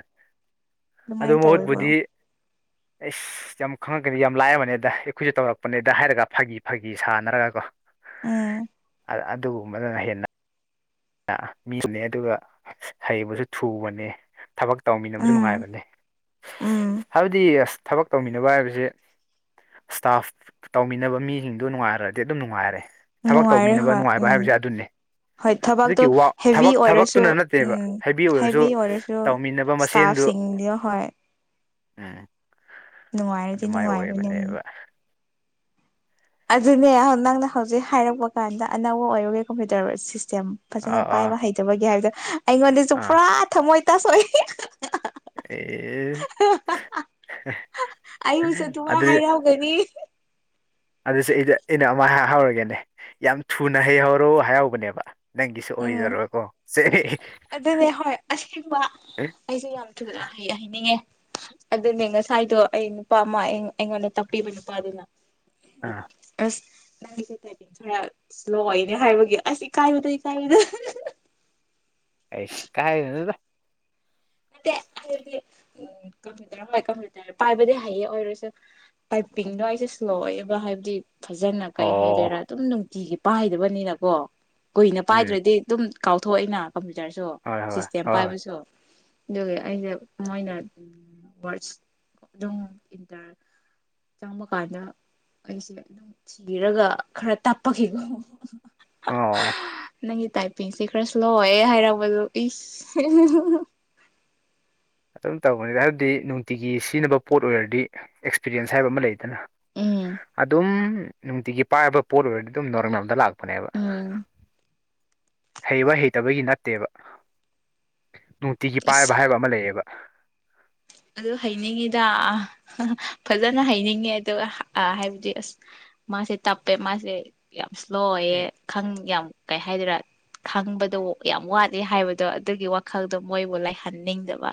ꯑꯗꯨ ꯑꯗꯨꯃꯥꯏꯅ ꯇꯧꯋꯦꯕ ꯃꯍꯨꯠꯄꯨꯗꯤ ꯏꯁ ꯌꯥꯝ ꯈꯪꯉꯛꯀꯅꯤ ꯌꯥꯝ ꯂꯥꯏꯑꯕꯅꯦꯗ ꯑꯩꯈꯣꯏꯁꯨ ꯇꯧꯔꯛꯄꯅꯦꯗ ꯍꯥꯏꯔꯒ ꯐꯥꯒꯤ ꯐꯥꯒꯤ ꯁꯥꯟꯅꯔꯒ ꯀꯣ ꯎꯥ ꯑꯗꯨꯒꯨꯝꯕꯗꯨꯅ ꯍꯦꯟꯅ ꯃꯤꯗꯨꯅꯦ ꯑꯗꯨꯒ ꯍꯩꯕꯁꯨ ꯊꯨꯕꯅꯦ ꯊꯕꯛ ꯇꯧꯃꯤꯟꯅꯕꯁꯨ ꯎꯝ ꯅꯨꯡꯉꯥꯏꯕꯅꯦ ꯎꯝ ꯍꯥꯏꯕꯗꯤ ꯑꯁ ꯊꯕꯛ ꯇꯧꯃꯤꯟꯅꯕ ꯍꯥꯏꯕꯁꯦ ꯏꯁꯇꯥꯐ ꯇꯧꯃꯤꯟꯅꯕ ꯃꯤꯁꯤꯡꯗꯨꯣ ꯅꯨꯡꯉꯥꯏꯔꯗꯤ ꯑꯗꯨꯝ ꯅꯨꯡꯉꯥꯏꯔꯦ ꯊꯕꯛ ꯅꯨꯡꯉꯥꯏꯔꯦ ꯇꯧꯃꯤꯟꯅꯕ ꯍꯣꯏ ꯅꯨꯡꯉꯥꯏꯕ ꯍꯥꯏꯕꯁꯦ ꯎꯝ ꯑꯗꯨꯅꯤ ꯍꯣꯏ ꯊꯕꯛꯇꯣ ꯍꯧꯖꯤꯛꯀꯤ ꯍꯦꯚꯤ ꯊꯕꯛ ꯑꯣꯏꯔꯁꯨ ꯊꯕꯛꯇꯨꯅ ꯅꯠꯇꯦꯕ ꯎꯝ ꯍꯦꯕꯤ ꯑꯣꯏꯔꯁꯨ ꯍꯦꯚꯤ ꯇꯧꯃꯤꯟꯅꯕ ꯃꯁꯦꯟꯗꯨ ꯏꯁꯇꯥꯐꯁꯤꯡꯗꯣ ꯍꯣꯏ ꯎꯝ ꯅꯨꯡꯉꯥꯏꯔꯗꯤ ꯑꯗꯨꯃꯥꯏꯅ ꯅꯨꯡꯉꯥꯏꯕꯅꯦ ꯎꯝ ꯑꯣꯏꯔꯤꯕꯅꯦꯕ ꯑꯗꯨꯅꯦ ꯅꯪꯅ ꯍꯧꯖꯤꯛ ꯍꯥꯏꯔꯛꯄ ꯀꯥꯟꯗ ꯑꯅꯧꯕ ꯑꯣꯏꯔꯨꯒꯦ ꯀꯝꯄ꯭ꯌꯨꯇꯔ ꯁꯤꯁꯇꯦꯝ ꯐꯖꯅ ꯑꯥ ꯑꯥ ꯄꯥꯏꯕ ꯍꯩꯖꯕꯒꯤꯦ ꯍꯥꯏꯕꯗꯣ ꯑꯩꯉꯣꯟꯗꯁꯨ ꯑꯥ ꯄꯨꯔꯥ ꯊꯝꯃꯣꯏ ꯇꯥꯁꯣꯏ ꯑꯦ ꯑꯩꯕꯨꯁꯨꯠꯇꯨꯉꯥꯏ ꯑꯗꯨ ꯍꯥꯏꯔꯛꯧꯒꯅꯤ ꯑꯗꯨꯁ ꯑꯩꯗ ꯑꯩꯅ ꯑꯃꯍꯧꯔꯒꯦꯅꯦ ꯌꯥꯝ ꯊꯨꯅ ꯍꯩꯍꯧꯔꯣ ꯍꯥꯏꯍꯧꯕꯅꯦꯕ ꯅꯪꯒꯤꯁꯨ ꯎꯝ ꯑꯣꯏꯔꯔꯣꯏꯀꯣ ꯁꯦ ꯑꯗꯨꯅꯦ ꯍꯣꯏ ꯑꯁꯦꯡꯕ ꯑꯩꯁꯨꯦ ꯌꯥꯝ ꯊꯨꯅ ꯍꯥꯏꯅꯤꯡꯉꯦ ꯑꯗꯨꯅꯦ ꯉꯁꯥꯏꯗꯣ ꯑꯩ ꯅꯨꯄꯥ ꯑꯃ ꯑꯩꯉꯣꯟꯗ ꯇꯥꯛꯄꯤꯕ ꯅꯨꯄꯥꯗꯨꯅ ꯑꯥ ꯑꯁ ꯅꯪꯒꯤꯁꯦ ꯇꯥꯏꯄꯤꯡ ꯈꯔ ꯏꯁ꯭ꯂꯣ ꯑꯣꯏꯅꯦ ꯍꯥꯏꯕꯒꯤ ꯑꯁ ꯏꯀꯥꯏꯕꯗꯩ ꯇꯗ ꯑꯁꯤ ꯀꯥꯏ ꯅꯗ [inaudible] ꯎ ꯀꯝꯄꯨꯇꯔ ꯄ ꯀꯝꯄꯌꯨꯇꯔ ꯄꯥꯏꯕꯗꯤ ꯍꯩꯌꯦ ꯑꯣꯏꯔꯁꯨ ꯄꯥꯏꯄꯤꯡꯗꯣ ꯑꯩꯁꯦ ꯁ꯭ꯂꯣ ꯑꯣꯏꯦꯕ ꯍꯥꯏꯕꯗꯤ ꯐꯖꯅ ꯀꯩ ꯍꯥꯏꯗꯣꯏꯔꯥ ꯑꯣ ꯑꯗꯨꯝ ꯅꯨꯡꯇꯤꯒꯤ ꯄꯥꯏꯗꯕꯅꯤꯅꯀꯣ ꯀꯨꯏꯅ ꯎꯝ ꯄꯥꯏꯗ꯭ꯔꯗꯤ ꯑꯗꯨꯝ ꯀꯥꯎꯊꯣꯛꯑꯏꯩꯅ ꯀꯝꯄ꯭ꯌꯨꯇꯔꯁꯨ ꯍꯣꯏ ꯍꯣꯏ ꯍꯣꯏ ꯁꯤꯁꯇꯦꯝ ꯍꯣꯏ ꯄꯥꯏꯕꯁꯨ ꯑꯗꯨꯒ ꯑꯩꯁꯦ ꯃꯣꯏꯅ ꯋꯥꯔꯠꯁ ꯑꯗꯨꯝ ꯏꯟꯇꯔ ꯆꯥꯝꯃ ꯀꯥꯟꯗ ꯑꯩꯁꯦ ꯊꯕꯤꯔꯒ ꯈꯔ ꯇꯥꯄꯈꯤꯀꯣ ꯑꯣ ꯅꯪꯒꯤ ꯇꯥꯏꯄꯤꯡꯁꯦ ꯈꯔ ꯁ꯭ꯂꯣ ꯍꯥꯏꯔꯔꯕꯗꯨꯣ ꯏꯁ ꯑꯗꯨꯝ ꯇꯧꯕꯅꯤꯗ ꯍꯥꯏꯕꯗꯤ ꯅꯨꯡꯇꯤꯒꯤ ꯁꯤꯖꯤꯟꯅꯕ ꯄꯣꯠ ꯑꯣꯏꯔꯗꯤ ꯑꯦꯛꯁꯄꯤꯔꯤꯦꯟꯁ ꯍꯥꯏꯕ ꯑꯃ ꯂꯩꯗꯅ ꯎꯝ ꯑꯗꯨꯝ ꯅꯨꯡꯇꯤꯒꯤ ꯄꯥꯏꯕ ꯄꯣꯠ ꯑꯣꯏꯔꯗꯤ ꯑꯗꯨꯝ ꯅꯣꯔꯦꯟ ꯂꯝꯝꯗ ꯂꯥꯛꯄꯅꯦꯕ ꯎꯝ ꯍꯩꯕ ꯍꯩꯇꯕꯒꯤ ꯅꯠꯇꯦꯕ ꯅꯨꯡꯇꯤꯒꯤ ꯑꯁ ꯄꯥꯏꯕ ꯍꯥꯏꯕ ꯑꯃ ꯂꯩꯑꯦꯕ ꯑꯗꯨ ꯍꯩꯅꯤꯡꯉꯤꯗ ꯐꯖꯅ ꯍꯩꯅꯤꯡꯉꯦ ꯑꯗꯨꯒ ꯍꯥꯏꯕꯗꯤ ꯑꯁ ꯃꯥꯁꯦ ꯇꯞꯄꯦ ꯃꯥꯁꯦ ꯌꯥꯝ ꯏꯁ꯭ꯂꯣ ꯑꯣꯏꯌꯦ ꯑꯦ ꯈꯪ ꯌꯥꯝ ꯀꯩ ꯍꯥꯏꯗꯣꯏꯔꯥ ꯈꯪꯕꯗꯣ ꯌꯥꯝ ꯋꯥꯗꯦ ꯍꯥꯏꯕꯗꯣ ꯑꯗꯨꯒꯤ ꯋꯥꯈꯜꯗꯣ ꯃꯣꯏꯕꯨ ꯂꯩꯥꯏꯍꯟꯅꯤꯡꯗꯕ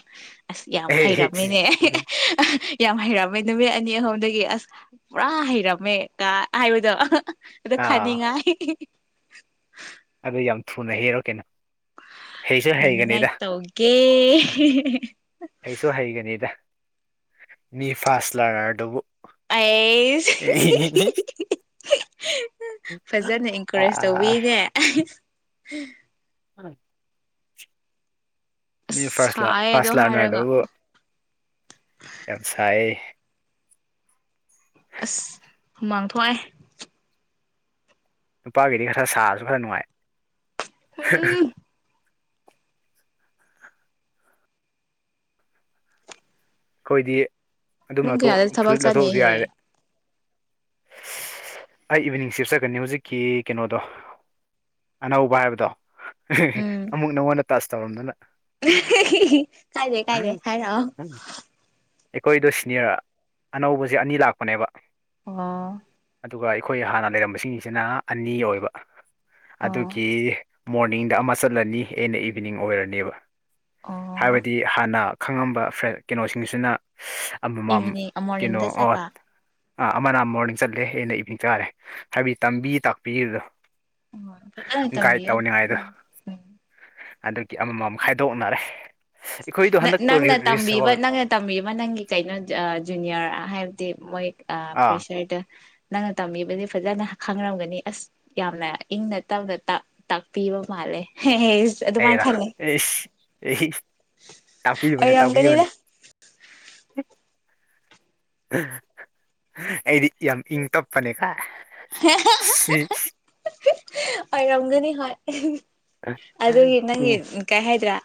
ꯑꯁ ꯌꯥꯝ ꯑꯦ, ꯍꯩꯔꯝꯃꯤꯅꯦ ꯑꯦ, ꯌꯥꯝ ꯍꯩꯔꯝꯃꯦ ꯅꯨꯃꯤꯠ ꯑꯅꯤ ꯑꯍꯨꯝꯗꯒꯤ ꯑꯁ ꯄꯨꯔꯥ ꯍꯩꯔꯝꯃꯦ ꯀ ꯍꯥꯏꯕꯗꯣ ꯑꯗꯨꯗ ꯑꯥ ꯈꯥꯅꯤꯡꯉꯥꯏ ꯑꯗꯨ ꯌꯥꯝ ꯊꯨꯅ ꯍꯦꯜꯔꯣ ꯀꯩꯅꯣ ꯍꯩꯁꯨ ꯍꯅꯤꯡ ꯉꯥꯏ ꯍꯩꯒꯅꯤꯗ ꯇꯧꯒꯦ ꯑꯩꯩꯁꯨ ꯍꯩꯒꯅꯤꯗ ꯃꯤ ꯐꯥꯁ ꯂꯔꯅꯔꯗꯨꯕꯨ ꯑꯩ ꯐꯖꯅ ꯏꯟꯀꯔꯦꯖ ꯑꯥ ꯇꯧꯕꯤꯅꯦ ꯎꯝ ꯃꯤ ꯑꯁ ꯐꯥꯁ ꯂ ꯁꯥꯏꯌꯦ ꯑꯗꯣ ꯐꯥꯁ ꯍꯥꯏꯔꯒ ꯂꯥꯔꯅꯥꯔ ꯌꯥꯝꯁꯥꯏ ꯑꯁ ꯍꯨꯃꯥꯡ ꯊꯣꯛꯑꯦ ꯅꯨꯄꯥꯒꯤꯗꯤ ꯈꯔ ꯁꯥꯔꯁꯨ ꯈꯔ ꯅꯨꯡꯉꯥꯏ ꯑꯩꯈꯣꯏꯗꯤ ꯑꯗꯨꯝ ꯄꯨꯡ ꯀꯌꯥꯗ ꯂꯧꯊꯣꯛ ꯊꯕꯛ ꯐꯨꯔꯤꯠ ꯆꯠꯅꯤ ꯂꯧꯊꯣꯛꯑꯁꯨ ꯍꯌꯦꯡ ꯌꯥꯔꯔꯦ ꯑꯩ ꯏꯚꯤꯅꯤꯡ ꯆꯦꯞꯆꯀꯅꯤ ꯍꯧꯖꯤꯛꯀꯤ ꯀꯩꯅꯣꯗꯣ ꯑꯅꯧꯕ ꯍꯥꯏꯕꯗꯣ ꯎꯝ ꯑꯃꯨꯛ ꯅꯉꯣꯟꯗ ꯇꯆ ꯇꯧꯔꯝꯗꯅ ꯀꯥꯏꯗꯦ ꯀꯥꯏꯗꯦ ꯍꯥꯏꯔꯛꯑꯣ ꯑꯩꯈꯣꯏꯗꯣ ꯁꯤꯅꯤꯌꯔ ꯑꯅꯧꯕꯁꯦ ꯑꯅꯤ ꯂꯥꯛꯄꯅꯦꯕ ꯑꯣ ꯑꯗꯨꯒ ꯑꯩꯈꯣꯏ ꯍꯥꯟꯅ ꯂꯩꯔꯝꯕꯁꯤꯡꯁꯤꯅ ꯑꯅꯤ ꯑꯣꯏꯕ ꯑꯣ ꯑꯗꯨꯒꯤ ꯃꯣꯔꯅꯤꯡꯗ ꯑꯃ ꯆꯠꯂꯅꯤ ꯑꯦꯟꯅ ꯏꯚꯤꯅꯤꯡ ꯑꯣꯏꯔꯅꯦꯕ ꯑꯣ ꯍꯥꯏꯕꯗꯤ ꯍꯥꯟꯅ ꯈꯪꯉꯝꯕ ꯐ꯭ꯔꯦꯟ ꯀꯩꯅꯣꯁꯤꯡꯁꯤꯅ ꯑꯃꯃꯝ ꯏꯚꯤꯅꯤꯡ ꯀꯩꯅꯣ ꯃꯣꯔꯅꯤꯡꯗ ꯑꯣ ꯆꯠꯄ ꯑꯥ ꯑꯃꯅ ꯃꯣꯔꯅꯤꯡ ꯆꯠꯂꯦ ꯑꯦꯟꯅ ꯏꯚꯅꯤꯡ ꯆꯥꯔꯦ ꯍꯥꯏꯕꯗꯤ ꯇꯝꯕꯤ ꯇꯥꯛꯄꯤꯗꯣ ꯐꯖꯅ ꯒꯥꯏꯠ ꯇꯝꯕꯤꯌꯣ ꯇꯧꯅꯤꯉꯥꯏꯗꯨ ꯍꯟꯗꯛꯗꯒꯤ ꯑꯃꯃꯝ ꯈꯥꯏꯗꯣꯛꯅꯔꯦ ꯑꯩꯈꯣꯏꯗꯣ ꯍꯟꯗꯛꯇꯣꯔꯤꯁꯦꯕꯜ ꯇꯝꯃꯤꯕ ꯅꯪꯒꯤ ꯀꯩꯅꯣ ꯖꯨꯅꯤꯌꯔ ꯍꯥꯏꯕꯗꯤ ꯃꯣꯏ ꯑꯥ ꯄ꯭ꯔꯦꯁꯔꯗ ꯅꯪꯅ ꯇꯝꯕꯤꯕꯗꯤ ꯐꯖꯅ ꯈꯪꯔꯝꯒꯅꯤ ꯑꯁ ꯌꯥꯝꯅ ꯏꯪꯅ ꯇꯞꯅ ꯇꯥꯛꯄꯤꯕ ꯃꯥꯜꯂꯦ ꯑꯗꯨꯃꯥꯏꯅ ꯑꯩꯔꯥ ꯈꯜꯂꯦ ꯑꯩꯁ ꯑꯩ ꯇꯥꯛꯄꯤꯕꯅꯤ ꯑꯣꯏꯔꯝꯒꯅꯤꯗ ꯇꯥꯛꯄꯤꯕꯅꯤ ꯍ [unintelligible] ꯑꯩꯗꯤ ꯌꯥꯝ ꯏꯪ ꯇꯞꯄꯅꯦꯀꯥꯏ ꯑꯣꯏꯔꯝꯒꯅꯤ ꯍꯣꯏ ꯑꯗꯨꯒꯤ ꯅꯪꯒꯤ ꯎꯝ ꯀꯩ ꯍꯥꯏꯗ꯭ꯔꯥ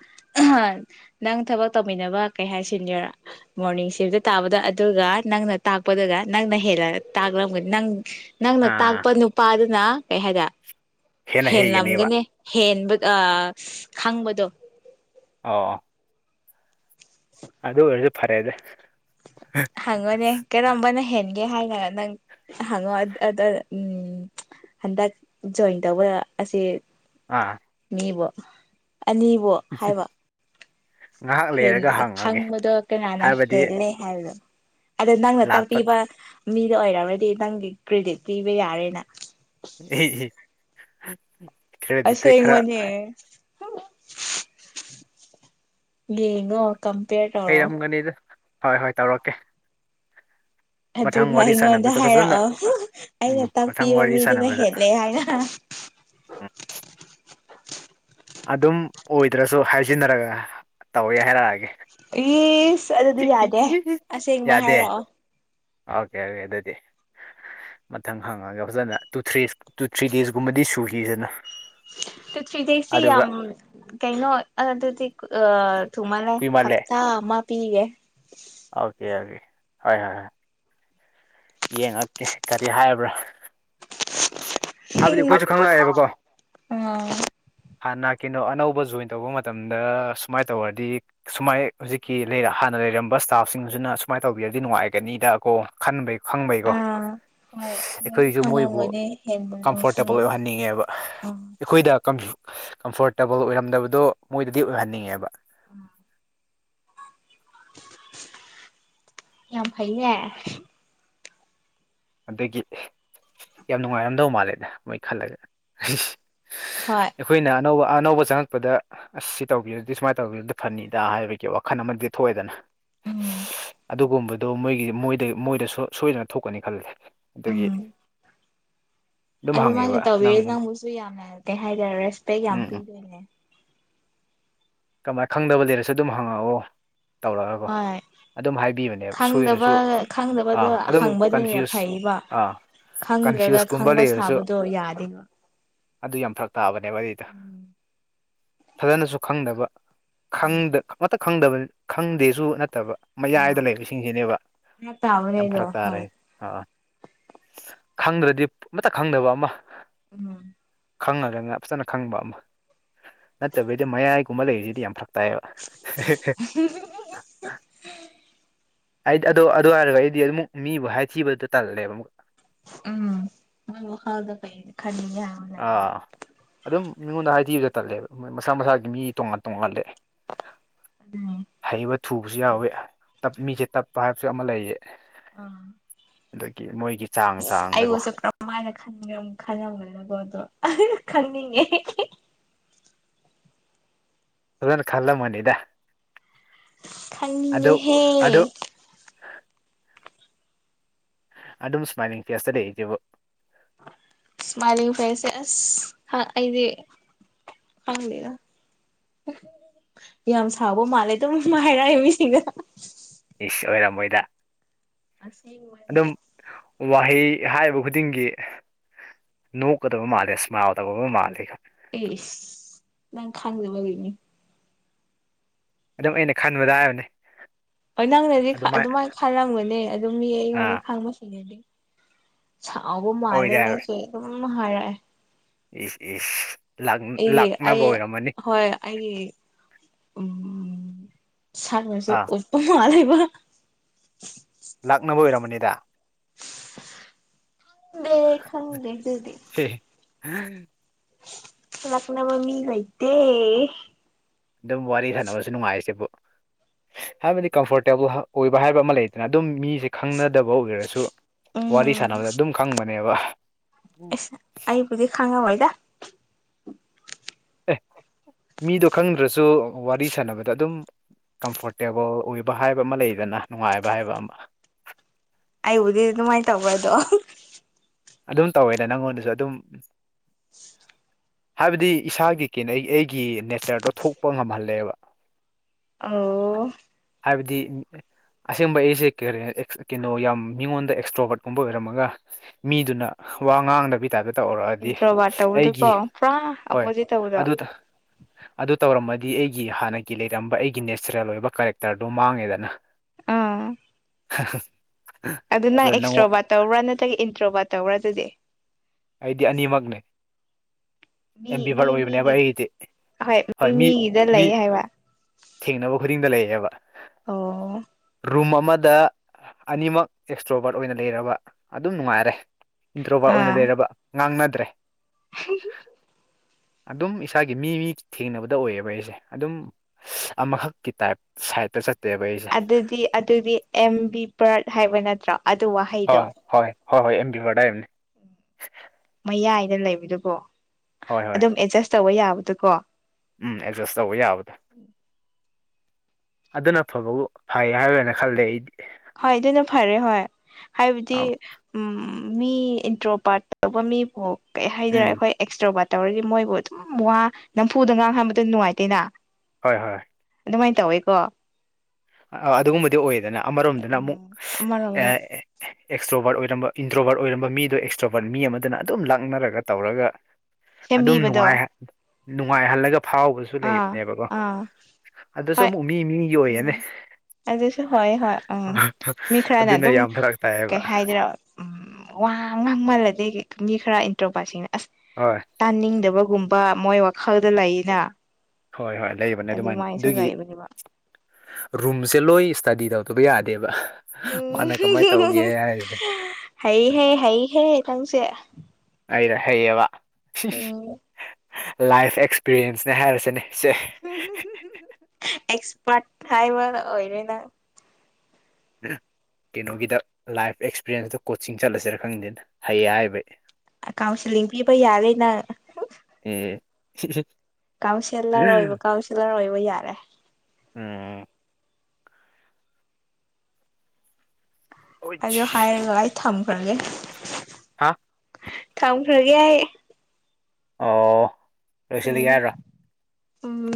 ꯅꯪ ꯊꯕꯛ ꯇꯧꯃꯤꯟꯅꯕ ꯀꯩ ꯍꯥꯏꯁꯤꯟꯒꯦꯔꯥ ꯃꯣꯔꯅꯤꯡ ꯁꯤꯐꯇ ꯇꯥꯕꯗ ꯑꯗꯨꯒ ꯅꯪꯅ ꯇꯥꯛꯄꯗꯨꯒ ꯅꯪꯅ ꯍꯦꯜꯂ ꯇꯥꯛꯂꯝꯒꯅꯤ ꯅꯪ ꯅꯪꯅ ꯑꯥ ꯇꯥꯛꯄ ꯅꯨꯄꯥꯗꯨꯅ ꯀꯩ ꯍꯥꯏꯒ ꯍꯦꯟꯅ ꯍꯩꯒꯅꯦꯕ ꯍꯦꯟꯂꯝꯒꯅꯤ ꯍꯦꯟꯕ ꯑ ꯈꯪꯕꯗꯣ ꯑꯣ ꯑꯗꯨ ꯑꯣꯏꯔꯁꯨ ꯐꯔꯦꯅꯦ ꯍꯪꯉꯣꯅꯦ ꯀꯔꯝꯕꯅ ꯍꯦꯟꯒꯦ ꯍꯥꯏꯅ ꯅꯪ ꯍꯪꯉꯣ ꯑꯗꯨ ꯎꯝ ꯍꯟꯗꯛ ꯖꯣꯏꯟ ꯇꯧꯕ ꯑꯁꯦ ꯑꯥ ꯃꯤꯕꯣ ꯑꯅꯤꯕꯣ ꯑꯁ [unintelligible] ꯍꯦꯟꯒꯦ ꯍꯪꯕꯗꯣ ꯀꯅꯥꯅ ꯍꯥꯏꯕꯗꯤ ꯍꯦꯜꯂꯦ ꯍꯥꯏꯕꯗꯣ ꯑꯗꯨ ꯅꯪꯅ ꯂꯥꯛꯄ ꯇꯥꯛꯄꯤꯕ ꯃꯤꯗꯨ ꯑꯣꯏꯔꯝꯃꯗꯤ ꯅꯪꯒꯤ ꯀ꯭ꯔꯦꯗꯤꯠ ꯄꯤꯕ ꯌꯥꯔꯦꯅ ꯑꯦꯑꯦ [inaudible] ꯑꯁꯦꯡꯕꯅꯦ ꯌꯦꯡꯉꯣ ꯀꯝꯄꯦꯔ ꯇꯧ ꯍꯩꯔꯝꯒꯅꯤꯗ ꯍꯣꯏ ꯍꯣꯏ ꯇꯧꯔꯛꯀꯦ ꯃꯊꯪ ꯑꯗꯨꯒ ꯋꯥꯔꯤ ꯑꯩꯉꯣꯟꯗ ꯁꯥꯟꯅꯕꯗ ꯐꯖꯅ ꯍꯥꯏꯔꯛꯑꯣ ꯎꯝ ꯑꯩꯅ ꯃꯊꯪ ꯇꯥꯛꯄꯤꯕ ꯋꯥꯔꯤ ꯃꯤꯗꯨꯅ ꯁꯥꯟꯅꯕꯗ ꯍꯦꯜꯂꯦ ꯍꯥꯏꯅ ꯑꯗꯨꯝ ꯑꯣꯏꯗ꯭ꯔꯁꯨ ꯍꯥꯏꯖꯤꯟꯅꯔꯒ ꯇꯧꯋꯦ ꯍꯥꯏꯔꯛꯑꯒꯦ ꯏꯁ ꯑꯗꯨꯗꯤ ꯌꯥꯗꯦ ꯑꯁꯦꯡꯕ ꯌꯥꯗꯦ ꯍꯥꯏꯔꯛꯑꯣ ꯑꯣꯀꯦ ꯑꯗꯨꯗꯤ ꯃꯊꯪ ꯍꯪꯉꯒꯦ ꯐꯖꯅ ꯇꯨ ꯊ꯭ꯔꯤ ꯇꯨ ꯊ꯭ꯔꯤ ꯗꯦꯖꯀꯨꯝꯕꯗꯤ ꯁꯨꯈꯤꯗꯅ ꯇꯨ ꯊ꯭ꯔꯤ ꯗꯦꯖꯇꯤ ꯑꯗꯨꯒ ꯌꯥꯝ ꯀꯩꯅꯣ ꯑꯗꯨꯗꯤ ꯑ ꯊꯨꯃꯜꯂꯦ ꯀꯨꯏꯃꯜꯂꯦ ꯍꯞꯇꯥ ꯑꯃ ꯄꯤꯒꯦ ꯑꯣꯀꯦ ꯑꯣꯀꯦ ꯍꯣꯏ ꯍꯣꯏ ꯍꯣꯏ ꯌꯦꯡꯉꯛꯀꯦ ꯀꯔꯤ ꯍꯥꯏꯕ꯭ꯔꯥ ꯍꯥꯏꯕꯗꯤ ꯑꯩꯈꯣꯏꯁꯨ ꯈꯪꯉꯛꯑꯦꯕꯀꯣ ꯑꯥ ꯍꯥꯟꯅ ꯀꯩꯅꯣ ꯑꯅꯧꯕ ꯖꯣꯏꯟ ꯇꯧꯕ ꯃꯇꯝꯗ ꯁꯨꯃꯥꯏ ꯇꯧꯔꯗꯤ ꯁꯨꯃꯥꯏ ꯍꯧꯖꯤꯛꯀꯤ ꯍꯥꯟꯅ ꯂꯩꯔꯝꯕ ꯏꯁꯇꯥꯐꯁꯤꯡꯁꯨꯅ ꯁꯨꯃꯥꯏ ꯇꯧꯕꯤꯔꯗꯤ ꯅꯨꯡꯉꯥꯏꯒꯅꯤꯗꯀꯣ ꯈꯟꯕꯩ ꯈꯪꯕꯩꯀꯣ ꯑꯥ ꯍꯣꯏ ꯅꯣꯏꯁꯨ ꯑꯩꯈꯣꯏꯁꯨ ꯃꯣꯏꯕꯨ ꯈꯪꯉꯝꯒꯅꯤ ꯍꯦꯟꯕ ꯑ ꯀꯝꯐꯣꯔꯇꯦꯕꯜ ꯈꯪ ꯑꯣꯏꯍꯟꯅꯤꯡꯉꯦꯕ ꯑ ꯑꯩꯈꯣꯏꯗ ꯀꯝꯐꯣꯔꯇꯦꯕꯜ ꯑꯣꯏꯔꯝꯗꯕꯗꯣ ꯃꯣꯏꯗꯗꯤ ꯑꯣꯏꯍꯟꯅꯤꯡꯉꯦꯕ ꯌꯥꯝ ꯐꯩꯅꯦ ꯑꯗꯒꯤ ꯌꯥꯝ ꯅꯨꯡꯉꯥꯏꯔꯝꯗꯧ ꯃꯥꯜꯂꯦꯗ ꯃꯣꯏ ꯈꯜꯂꯒ ꯍꯣꯏ ꯑꯩꯈꯣꯏꯅ ꯑꯅꯧꯕ ꯑꯅꯧꯕ ꯆꯪꯉꯛꯄꯗ ꯑꯁ ꯁꯤ ꯇꯧꯕꯤꯔꯗꯤ ꯁꯨꯃꯥꯏꯅ ꯇꯧꯕꯤꯔꯗꯤ ꯐꯅꯤꯗ ꯍꯥꯏꯕꯒꯤ ꯋꯥꯈꯜ ꯑꯃꯗꯤ ꯊꯣꯛꯑꯦꯗꯅ ꯎꯝ ꯑꯗꯨꯒꯨꯝꯕꯗꯣ ꯃꯣꯏꯒꯤ ꯃꯣꯏ ꯃꯣꯏꯗ ꯁꯣꯏꯗꯅ ꯊꯣꯛꯀꯅꯤ ꯈꯜꯂꯦ ꯑꯗꯨꯒꯤ ꯎꯝ ꯑꯗꯨꯝ ꯑꯗꯨꯃꯥꯏꯅ ꯍꯪꯉꯦꯕ ꯅꯪ ꯇꯧꯕꯤꯔ ꯅꯪꯕꯨꯁꯨ ꯌꯥꯝꯅ ꯀꯩ ꯍꯥꯏꯇꯥꯔꯦ ꯔꯦꯁꯄꯦꯛ ꯎꯝ ꯌꯥꯝꯅ ꯎꯝ ꯄꯤꯗꯣꯏꯅꯦ ꯀꯃꯥꯏꯅ ꯈꯪꯗꯕ ꯂꯩꯔꯁꯨ ꯑꯗꯨꯝ ꯍꯪꯉꯛꯑꯣ ꯇꯧꯔꯛꯒꯀꯣ ꯍꯣꯏ ꯑꯗꯨꯝ ꯍꯥꯏꯕꯤꯕꯅꯦꯕ ꯈꯪꯗꯕ ꯁꯣꯏꯔꯁꯨ ꯈꯪꯗꯕꯗꯣ ꯑꯥ ꯑꯗꯨꯝ ꯍꯪꯕꯗꯨꯅ ꯀꯟꯐ꯭ꯌꯨꯁ ꯐꯩꯕ ꯑꯥ ꯈꯪꯗ꯭ꯔꯒ ꯀꯟꯐ꯭ꯌꯨꯁꯀꯨꯝꯕ ꯈꯪꯕ ꯂꯩꯔꯁꯨ ꯁꯥꯕꯗꯣ ꯌꯥꯗꯦꯕ ꯑꯗꯨ ꯌꯥꯝ ꯐꯔꯛ ꯇꯥꯕꯅꯦꯕ ꯑꯗꯨꯗ ꯎꯝ ꯐꯖꯅꯁꯨ ꯈꯪꯗꯕ ꯈꯪꯗ ꯈꯪꯗꯕ ꯈꯪꯗꯦꯁꯨ ꯅꯠꯇꯕ ꯃꯌꯥꯏꯗ ꯑꯥ ꯂꯩꯕꯁꯤꯡꯁꯤꯅꯦꯕ ꯐꯔꯛ ꯇꯥꯕꯅꯦ ꯌꯥꯝ ꯑꯗꯣ ꯐꯔꯛ ꯇꯥꯔꯦ ꯍꯣꯏ ꯑꯥ ꯈꯪꯗ꯭ꯔꯗꯤ ꯑꯃꯠꯇ ꯈꯪꯗꯕ ꯑꯃ ꯎꯝ ꯈꯪꯉꯒ ꯉ ꯐꯖꯅ ꯈꯪꯕ ꯑꯃ ꯅꯠꯇꯕꯤꯗ ꯃꯌꯥꯏ ꯀꯨꯝꯕ ꯂꯩꯔꯤꯁꯤꯗꯤ ꯌꯥꯝ ꯐꯔꯛ ꯇꯥꯏꯑꯦꯕ ꯍꯝ ꯑꯩꯗꯤ ꯑꯗꯣ ꯑꯗꯨ ꯍꯥꯏꯔꯒ ꯑꯩꯗꯤ ꯑꯃꯨꯛ ꯃꯤꯕꯨ ꯍꯥꯏꯊꯤꯕꯗꯨ ꯇꯜꯂꯦꯕ ꯑꯃꯨ ꯎꯝ ꯍꯜꯗ ꯄꯩ ꯈꯗꯤ ꯌꯥ ꯑꯥ ꯑꯗꯨꯝ ꯃꯤꯉꯣꯟꯗ ꯍꯥꯏꯊꯕꯗ ꯆꯜꯂꯦꯕ ꯃꯁꯥ ꯃꯁꯥꯒꯤ ꯃꯤ ꯇꯣꯉꯥꯟ ꯇꯣꯉꯥꯜꯂꯦ ꯑꯗꯨꯅꯦ ꯍꯩꯕ ꯊꯨꯕꯁꯨ ꯌꯥꯎꯋꯤꯞ ꯃꯤꯁꯦ ꯇꯞꯄ ꯍꯥꯏꯕꯁꯨ ꯑꯃ ꯂꯩꯌꯦ ꯑꯥ ꯑꯗꯒꯤ ꯃꯣꯏꯒꯤ ꯆꯥꯡ ꯆꯥꯡꯗꯀꯣ ꯑꯩꯉꯣꯟꯁꯨ ꯀꯔꯝꯃꯥꯏꯅ ꯈꯜꯂꯝꯒꯗꯕꯣꯗꯣ ꯈꯪꯅꯤꯡꯉꯦ ꯑꯗꯨꯅ ꯈꯜꯂ ꯃꯅꯤꯗ ꯈꯪꯦꯍꯦ ꯑꯗꯨ ꯑꯗꯨꯝ ꯁꯃꯥꯏꯅꯤꯡ ꯀꯌꯥꯁꯦ ꯁꯃꯥꯏꯂꯤꯡ ꯐ꯭ꯂꯦꯁꯦꯁ ꯑꯩꯗꯤ ꯐꯥꯡꯕꯤꯔ ꯌꯥꯝ ꯁꯥꯕ ꯃꯥꯜꯂꯦ ꯑꯗꯨꯝ ꯍꯥꯏꯔꯛꯑꯦ ꯃꯤꯁꯤꯡꯅ ꯏꯁ ꯑꯣꯏꯔꯝꯃꯣꯏꯗ ꯑꯁ ꯃꯅꯦ ꯑꯗꯨꯝ ꯋꯥꯍꯩ ꯍꯥꯏꯔꯤꯕ ꯈꯨꯗꯤꯡꯒꯤ ꯅꯨ ꯀꯗꯕꯨ ꯃꯥꯂ ꯏꯁꯃꯎ ꯇ ꯀ ꯃꯥ ꯂꯩ ꯑꯦ ꯅꯪ ꯈꯪꯖꯕ ꯂꯩꯅꯤ ꯑꯗꯨꯝ ꯑꯩꯅ ꯈꯟꯕꯗ ꯍꯥꯏꯕꯅꯦ ꯍꯣꯏ ꯅꯪꯅꯗꯤ ꯑꯗꯨꯃꯥꯏꯅ ꯈꯜꯂꯝꯒꯅꯤ ꯑꯗꯨꯝ ꯃꯤ ꯑꯥ ꯑꯩꯉꯣꯟꯗ ꯈꯪꯕꯁꯤꯅꯦꯗꯤ ꯆꯥꯎꯕꯨꯣ ꯃꯥꯂꯦ ꯑꯣꯏꯗꯦ ꯍꯥꯏꯕ ꯅꯁꯨ ꯑꯗꯨꯝ ꯍꯥꯔ ꯏꯁ ꯏꯁ ꯑꯩꯒꯤ ꯑꯩ ꯂꯥꯛꯅꯕ ꯑꯣꯏꯔꯝꯃꯅꯤ ꯍꯣꯏ ꯑꯩꯒꯤ ꯎꯝ ꯁꯥꯟꯅꯕꯁꯨ ꯑꯥ ꯎꯠꯄꯉꯥ ꯂꯩꯕ ꯂꯥꯛꯅꯕ ꯑꯣꯏꯔꯝꯃꯅꯤꯗ ꯗꯦ ꯈꯪꯗꯗꯤꯁꯤꯗꯤ ꯎꯝ ꯂꯛꯅ ꯃꯃꯤ ꯂꯩꯗꯦ ꯑꯗꯨꯝ ꯋꯥꯔꯤ ꯁꯥꯟꯅꯕꯁꯨ ꯅꯨꯡꯉꯥꯏꯔꯤꯁꯤꯦꯕꯨ ꯍꯥꯏꯕꯗꯤ ꯀꯝꯐꯣꯔꯇꯦꯕꯜ ꯑꯣꯏꯕ ꯍꯥꯏꯕ ꯑꯃ ꯂꯩꯗꯅ ꯑꯗꯨꯝ ꯃꯤꯁꯦ ꯈꯪꯅꯗꯕ ꯑꯣꯏꯔꯔꯁꯨ ꯋꯥꯔꯤ ꯎꯝ ꯁꯥꯟꯅꯕꯗ ꯑꯗꯨꯝ ꯈꯪꯕꯅꯦꯕ ꯑꯦꯁ ꯑꯩꯕꯨꯗꯤ ꯈꯪꯉꯝꯃꯣꯏꯗ ꯑꯦ ꯃꯤꯗꯣ ꯈꯪꯗ꯭ꯔꯁꯨ ꯋꯥꯔꯤ ꯁꯥꯟꯅꯕꯗ ꯑꯗꯨꯝ ꯀꯝꯐꯣꯔꯇꯦꯕꯜ ꯑꯣꯏꯕ ꯍꯥꯏꯕ ꯑꯃ ꯂꯩꯗꯅ ꯅꯨꯡꯉꯥꯏꯕ ꯍꯥꯏꯕ ꯑꯃ ꯑꯩꯕꯨꯗꯤ ꯑꯗꯨꯃꯥꯏꯅ ꯇꯧꯕ꯭ꯔ ꯑꯗꯣ ꯑꯗꯨꯝ ꯇꯧꯋꯦꯗ ꯅꯪꯉꯣꯟꯗꯁꯨ ꯑꯗꯨꯝ ꯍꯥꯏꯕꯗꯤ ꯏꯁꯥꯒꯤ ꯀꯦꯅꯩ ꯑꯩꯒꯤ ꯅꯦꯆꯔꯗꯣ ꯊꯣꯛꯄ ꯉꯝꯍꯜꯂꯦꯕ꯫ [unintelligible] ꯑꯣ ꯍꯥꯏꯕꯗꯤ ꯑꯁꯦꯡꯕ ꯑꯩꯁꯦ ꯀꯔ ꯀꯩꯅꯣ ꯌꯥꯝ ꯃꯤꯉꯣꯟꯗ ꯑꯦꯛꯁꯇ꯭ꯔꯣꯕꯔꯠꯀꯨꯝꯕ ꯑꯣꯏꯔꯝꯃꯒ ꯃꯤꯗꯨꯅ ꯋꯥ ꯉꯥꯡꯗꯕꯤ ꯇꯥꯏꯇ ꯇꯧꯔꯛꯑꯗꯤ ꯏꯟꯇ꯭ꯔꯣꯕꯥꯔꯠ ꯑꯩꯒꯤ ꯇꯧꯕꯗꯨꯀꯣ ꯄꯨꯔꯥ ꯍꯣꯏ ꯑꯣꯄꯣꯖꯤꯠ ꯇꯧꯕꯗꯣ ꯑꯗꯨꯗ ꯑꯗꯨ ꯇꯧꯔꯝꯃꯗꯤ ꯑꯩꯒꯤ ꯍꯥꯟꯅꯒꯤ ꯂꯩꯔꯝꯕ ꯑꯩꯒꯤ ꯅꯦꯆꯔꯦꯜ ꯂꯣꯕꯛ ꯀꯔꯦꯛꯇꯔꯗꯨ ꯃꯥꯡꯉꯦꯗꯅ꯫ ꯑꯥ ꯍꯁ ꯑꯗꯨ ꯅꯪ ꯑꯦꯛꯁꯇ꯭ꯔꯣꯕꯥꯠ ꯇꯧꯕꯔꯥ ꯅꯠꯇ꯭ꯔꯒ ꯏꯟꯇ꯭ꯔꯣꯕꯥꯠ ꯇꯧꯕꯔꯥ ꯑꯗꯨꯗꯤ꯫ ꯑꯩꯗꯤ ꯑꯅꯤꯃꯛꯅꯦ꯫ ꯑꯦꯝ ꯃꯤ ꯕꯤꯚꯔ ꯃꯤ ꯑꯣꯏꯕꯅꯦꯕ ꯃꯤꯒꯤ ꯑꯩꯒꯤꯗꯤ ꯍꯣꯏ ꯃꯤ ꯃꯤꯒꯤꯗ ꯃꯤ ꯂꯩ ꯍꯥꯏꯕ ꯊꯦꯡꯅꯕ ꯈꯨꯗꯤꯡꯗ ꯂꯩꯌꯦꯕ꯫ ꯑꯣ ꯔꯨꯝ ꯑꯃꯗ ꯑꯅꯤꯃꯛ ꯑꯦꯛꯁꯇ꯭ꯔꯣꯕꯥꯔꯠ ꯑꯣꯏꯅ ꯂꯩꯔꯕ ꯑꯗꯨꯝ ꯅꯨꯡꯉꯥꯏꯔꯦ꯫ ꯏꯟꯗ꯭ꯔꯣꯕꯥ ꯑꯣꯏꯅ ꯑꯥ ꯂꯩꯔꯕ ꯉꯥꯡꯅꯗ꯭ꯔꯦ꯫ [unintelligible] ꯑꯗꯨꯝ ꯏꯁꯥꯒꯤ ꯃꯤ ꯃꯤ ꯊꯦꯡꯅꯕꯗ ꯑꯣꯏꯌꯦꯕ ꯑꯩꯁꯦ ꯑꯗꯨꯝ꯫ ꯑꯃꯈꯛꯀꯤ ꯇꯥꯏꯞ ꯁꯥꯏꯗꯇ ꯆꯠꯇꯦꯕ ꯑꯩꯁꯦ꯫ ꯑꯗꯨꯗꯤ ꯑꯗꯨꯗꯤ ꯑꯦꯝ ꯕꯤ ꯄꯔꯠ ꯍꯥꯏꯕ ꯅꯠꯇ꯭ꯔꯣ꯫ ꯑꯗꯨ ꯋꯥꯍꯩ ꯍꯣꯏ ꯍꯣꯏ ꯍꯣ ꯍꯣꯏ ꯑꯦꯝ ꯕꯤꯚꯔꯗꯥꯝꯕꯅꯤ꯫ ꯃꯌꯥꯏꯗ ꯂꯩꯕꯗꯨꯕꯨ ꯍꯣꯏ ꯍꯣꯏ ꯑꯗꯨꯝ ꯑꯦꯠꯖꯁ ꯇꯧꯕ ꯌꯥꯕꯗꯨꯀꯣ꯫ ꯎꯝ ꯑꯦꯗꯖꯁ ꯇꯧꯕ ꯌꯥꯕꯗꯣ꯫ ꯑꯗꯨꯅ ꯐꯕꯕꯨ ꯐꯩ ꯍꯥꯏꯔꯅ ꯈꯜꯂꯦ ꯑꯩꯗꯤ꯫ ꯍꯣꯏ ꯑꯗꯨꯅ ꯐꯔꯦ ꯍꯣꯏ ꯍꯥꯏꯕꯗꯤ ꯑꯧ ꯎꯝ ꯃꯤ ꯏꯟꯇ꯭ꯔꯣꯄꯥꯠ ꯇꯧꯕ ꯃꯤꯕꯨ ꯀꯩ ꯍꯥꯏꯗꯩꯔꯥ ꯎꯝ ꯑꯩꯈꯣꯏ ꯑꯦꯛꯁꯇ꯭ꯔꯣꯕꯔꯠ꯫ ꯇꯧꯔꯗꯤ ꯃꯣꯏꯕꯨ ꯑꯗꯨꯝ ꯋꯥ ꯅꯝꯐꯨꯗ ꯉꯥꯡꯍꯟꯕꯗꯨ ꯅꯨꯡꯉꯥꯏꯇꯦꯅ꯫ ꯍꯣꯏ ꯍꯣꯏ ꯑꯗꯨꯃꯥꯏꯅ ꯇꯧꯋꯦꯀꯣ꯫ ꯑꯗꯨꯒꯨꯝꯕꯗꯤ ꯑꯣꯏꯌꯦꯗꯅ ꯑꯃꯔꯣꯝꯗꯅ ꯑꯃꯨꯛ ꯎꯝ ꯑꯃꯔꯣꯝꯗ ꯑꯦ ꯑꯦꯛꯁꯇ꯭ꯔꯣꯚꯔ ꯑꯣꯏꯔꯝꯕ ꯏꯟꯗ꯭ꯔꯣꯕꯔ ꯑꯣꯏꯔꯝꯕ ꯃꯤꯗꯣ ꯑꯦꯛꯁꯇ꯭ꯔꯣꯚꯔꯠ ꯃꯤ ꯑꯃꯗꯅ ꯑꯗꯨꯝ ꯂꯥꯛꯅꯔꯒ ꯇꯧꯔꯒ꯫ ꯑꯗꯨꯝ ꯅꯨꯡꯉꯥꯏ ꯁꯦꯝꯕꯤꯕꯗꯣ ꯅꯨꯡꯉꯥꯏꯍꯜꯂꯒ ꯐꯥꯎꯕꯁꯨ꯫ ꯁꯨ ꯑꯥ ꯂꯩꯕꯅꯦꯕꯀꯣ ꯑꯥ ꯑꯗꯨꯁꯨ ꯍꯣꯏ ꯑꯃꯨꯛ ꯃꯤ ꯃꯤꯒꯤ ꯑꯣꯏꯌꯦꯅꯦ꯫ ꯎꯝ ꯑꯗꯨꯁꯨ ꯍꯣꯏ ꯍꯣꯏ ꯎꯝ ꯃꯤ ꯈꯔꯅ ꯑꯗꯨꯅ ꯑꯗꯨꯝ ꯌꯥꯝ ꯐꯔꯛ ꯇꯥꯏꯌꯦꯕ ꯀꯩ ꯍꯥꯏꯗꯩꯔ꯫ ꯎꯝ ꯋꯥ ꯉꯥꯡꯃꯜꯂꯗꯤꯒꯤ ꯃꯤ ꯈꯔ ꯏꯟꯇ꯭ꯔꯣꯄꯥꯠꯁꯤꯡꯅ ꯑꯁ꯫ ꯍꯣꯏ ꯇꯥꯅꯤꯡꯗꯕꯒꯨꯝꯕ ꯃꯣꯏ ꯋꯥꯈꯜꯗ ꯂꯩꯅ꯫ ꯍꯣꯏ ꯍꯣꯏ ꯂꯩꯕꯅꯦ ꯑꯗꯨꯃꯥꯏꯅ ꯑꯗꯨꯃꯥꯏꯅꯁꯨ ꯑꯗꯨꯒꯤ ꯂꯩꯕꯅꯦꯕ ꯔꯨꯝꯁꯦ ꯂꯣꯏ ꯏꯁꯇꯗꯤ ꯇꯧꯗꯕ ꯌꯥꯗꯦꯕ ꯃꯥꯅ ꯀꯃꯥꯏ ꯇꯧꯒꯦ ꯍꯥꯏꯔꯤꯁꯦ꯫ ꯍꯩ ꯍꯦ ꯍꯩ ꯍꯦ ꯊꯪꯁꯦ꯫ ꯑꯩꯔ ꯍꯩꯌꯦꯕ ꯎꯝ ꯂꯥꯏꯐ ꯑꯦꯛꯁꯄꯤꯔꯤꯌꯦꯟꯁꯅꯦ ꯍꯥꯏꯔꯁꯤꯅꯦ ꯁꯦ꯫ ꯑꯦꯛꯁꯄꯥꯔꯠ ꯍꯥꯏꯕ ꯑꯣꯏꯔꯦꯅ꯫ ꯀꯩꯅꯣꯒꯤꯗ ꯂꯥꯏꯐ ꯑꯦꯛꯁꯄꯤꯔꯤꯌꯦꯟꯁꯇ ꯀꯣꯆꯤꯡ ꯆꯠꯂꯁꯤꯔ ꯈꯪꯗꯦꯅ꯫ ꯍꯩ ꯌꯥꯏꯕꯩ꯫ ꯀꯥꯎꯟꯁꯤꯂꯤꯡ ꯄꯤꯕ ꯌꯥꯔꯦꯅꯪ꯫ ꯑꯦ ꯀꯥꯎꯟꯁꯤꯜꯂꯔ ꯑꯣꯏꯕ ꯀꯥꯎꯟꯁꯤꯜꯂꯔ ꯑꯣꯏꯕ ꯌꯥꯔꯦ꯫ ꯎꯝ ꯑꯗꯨꯗꯣ ꯍꯥꯏꯔꯒ ꯑꯩ ꯊꯝꯈ꯭ꯔꯒꯦ ꯍꯥ ꯊꯝꯈ꯭ꯔꯒꯦ ꯑꯩ ꯑꯣ ꯂꯣꯏꯁꯤꯜꯂꯒꯦ ꯎꯝ ꯍꯥꯏꯔꯣ ꯎꯝ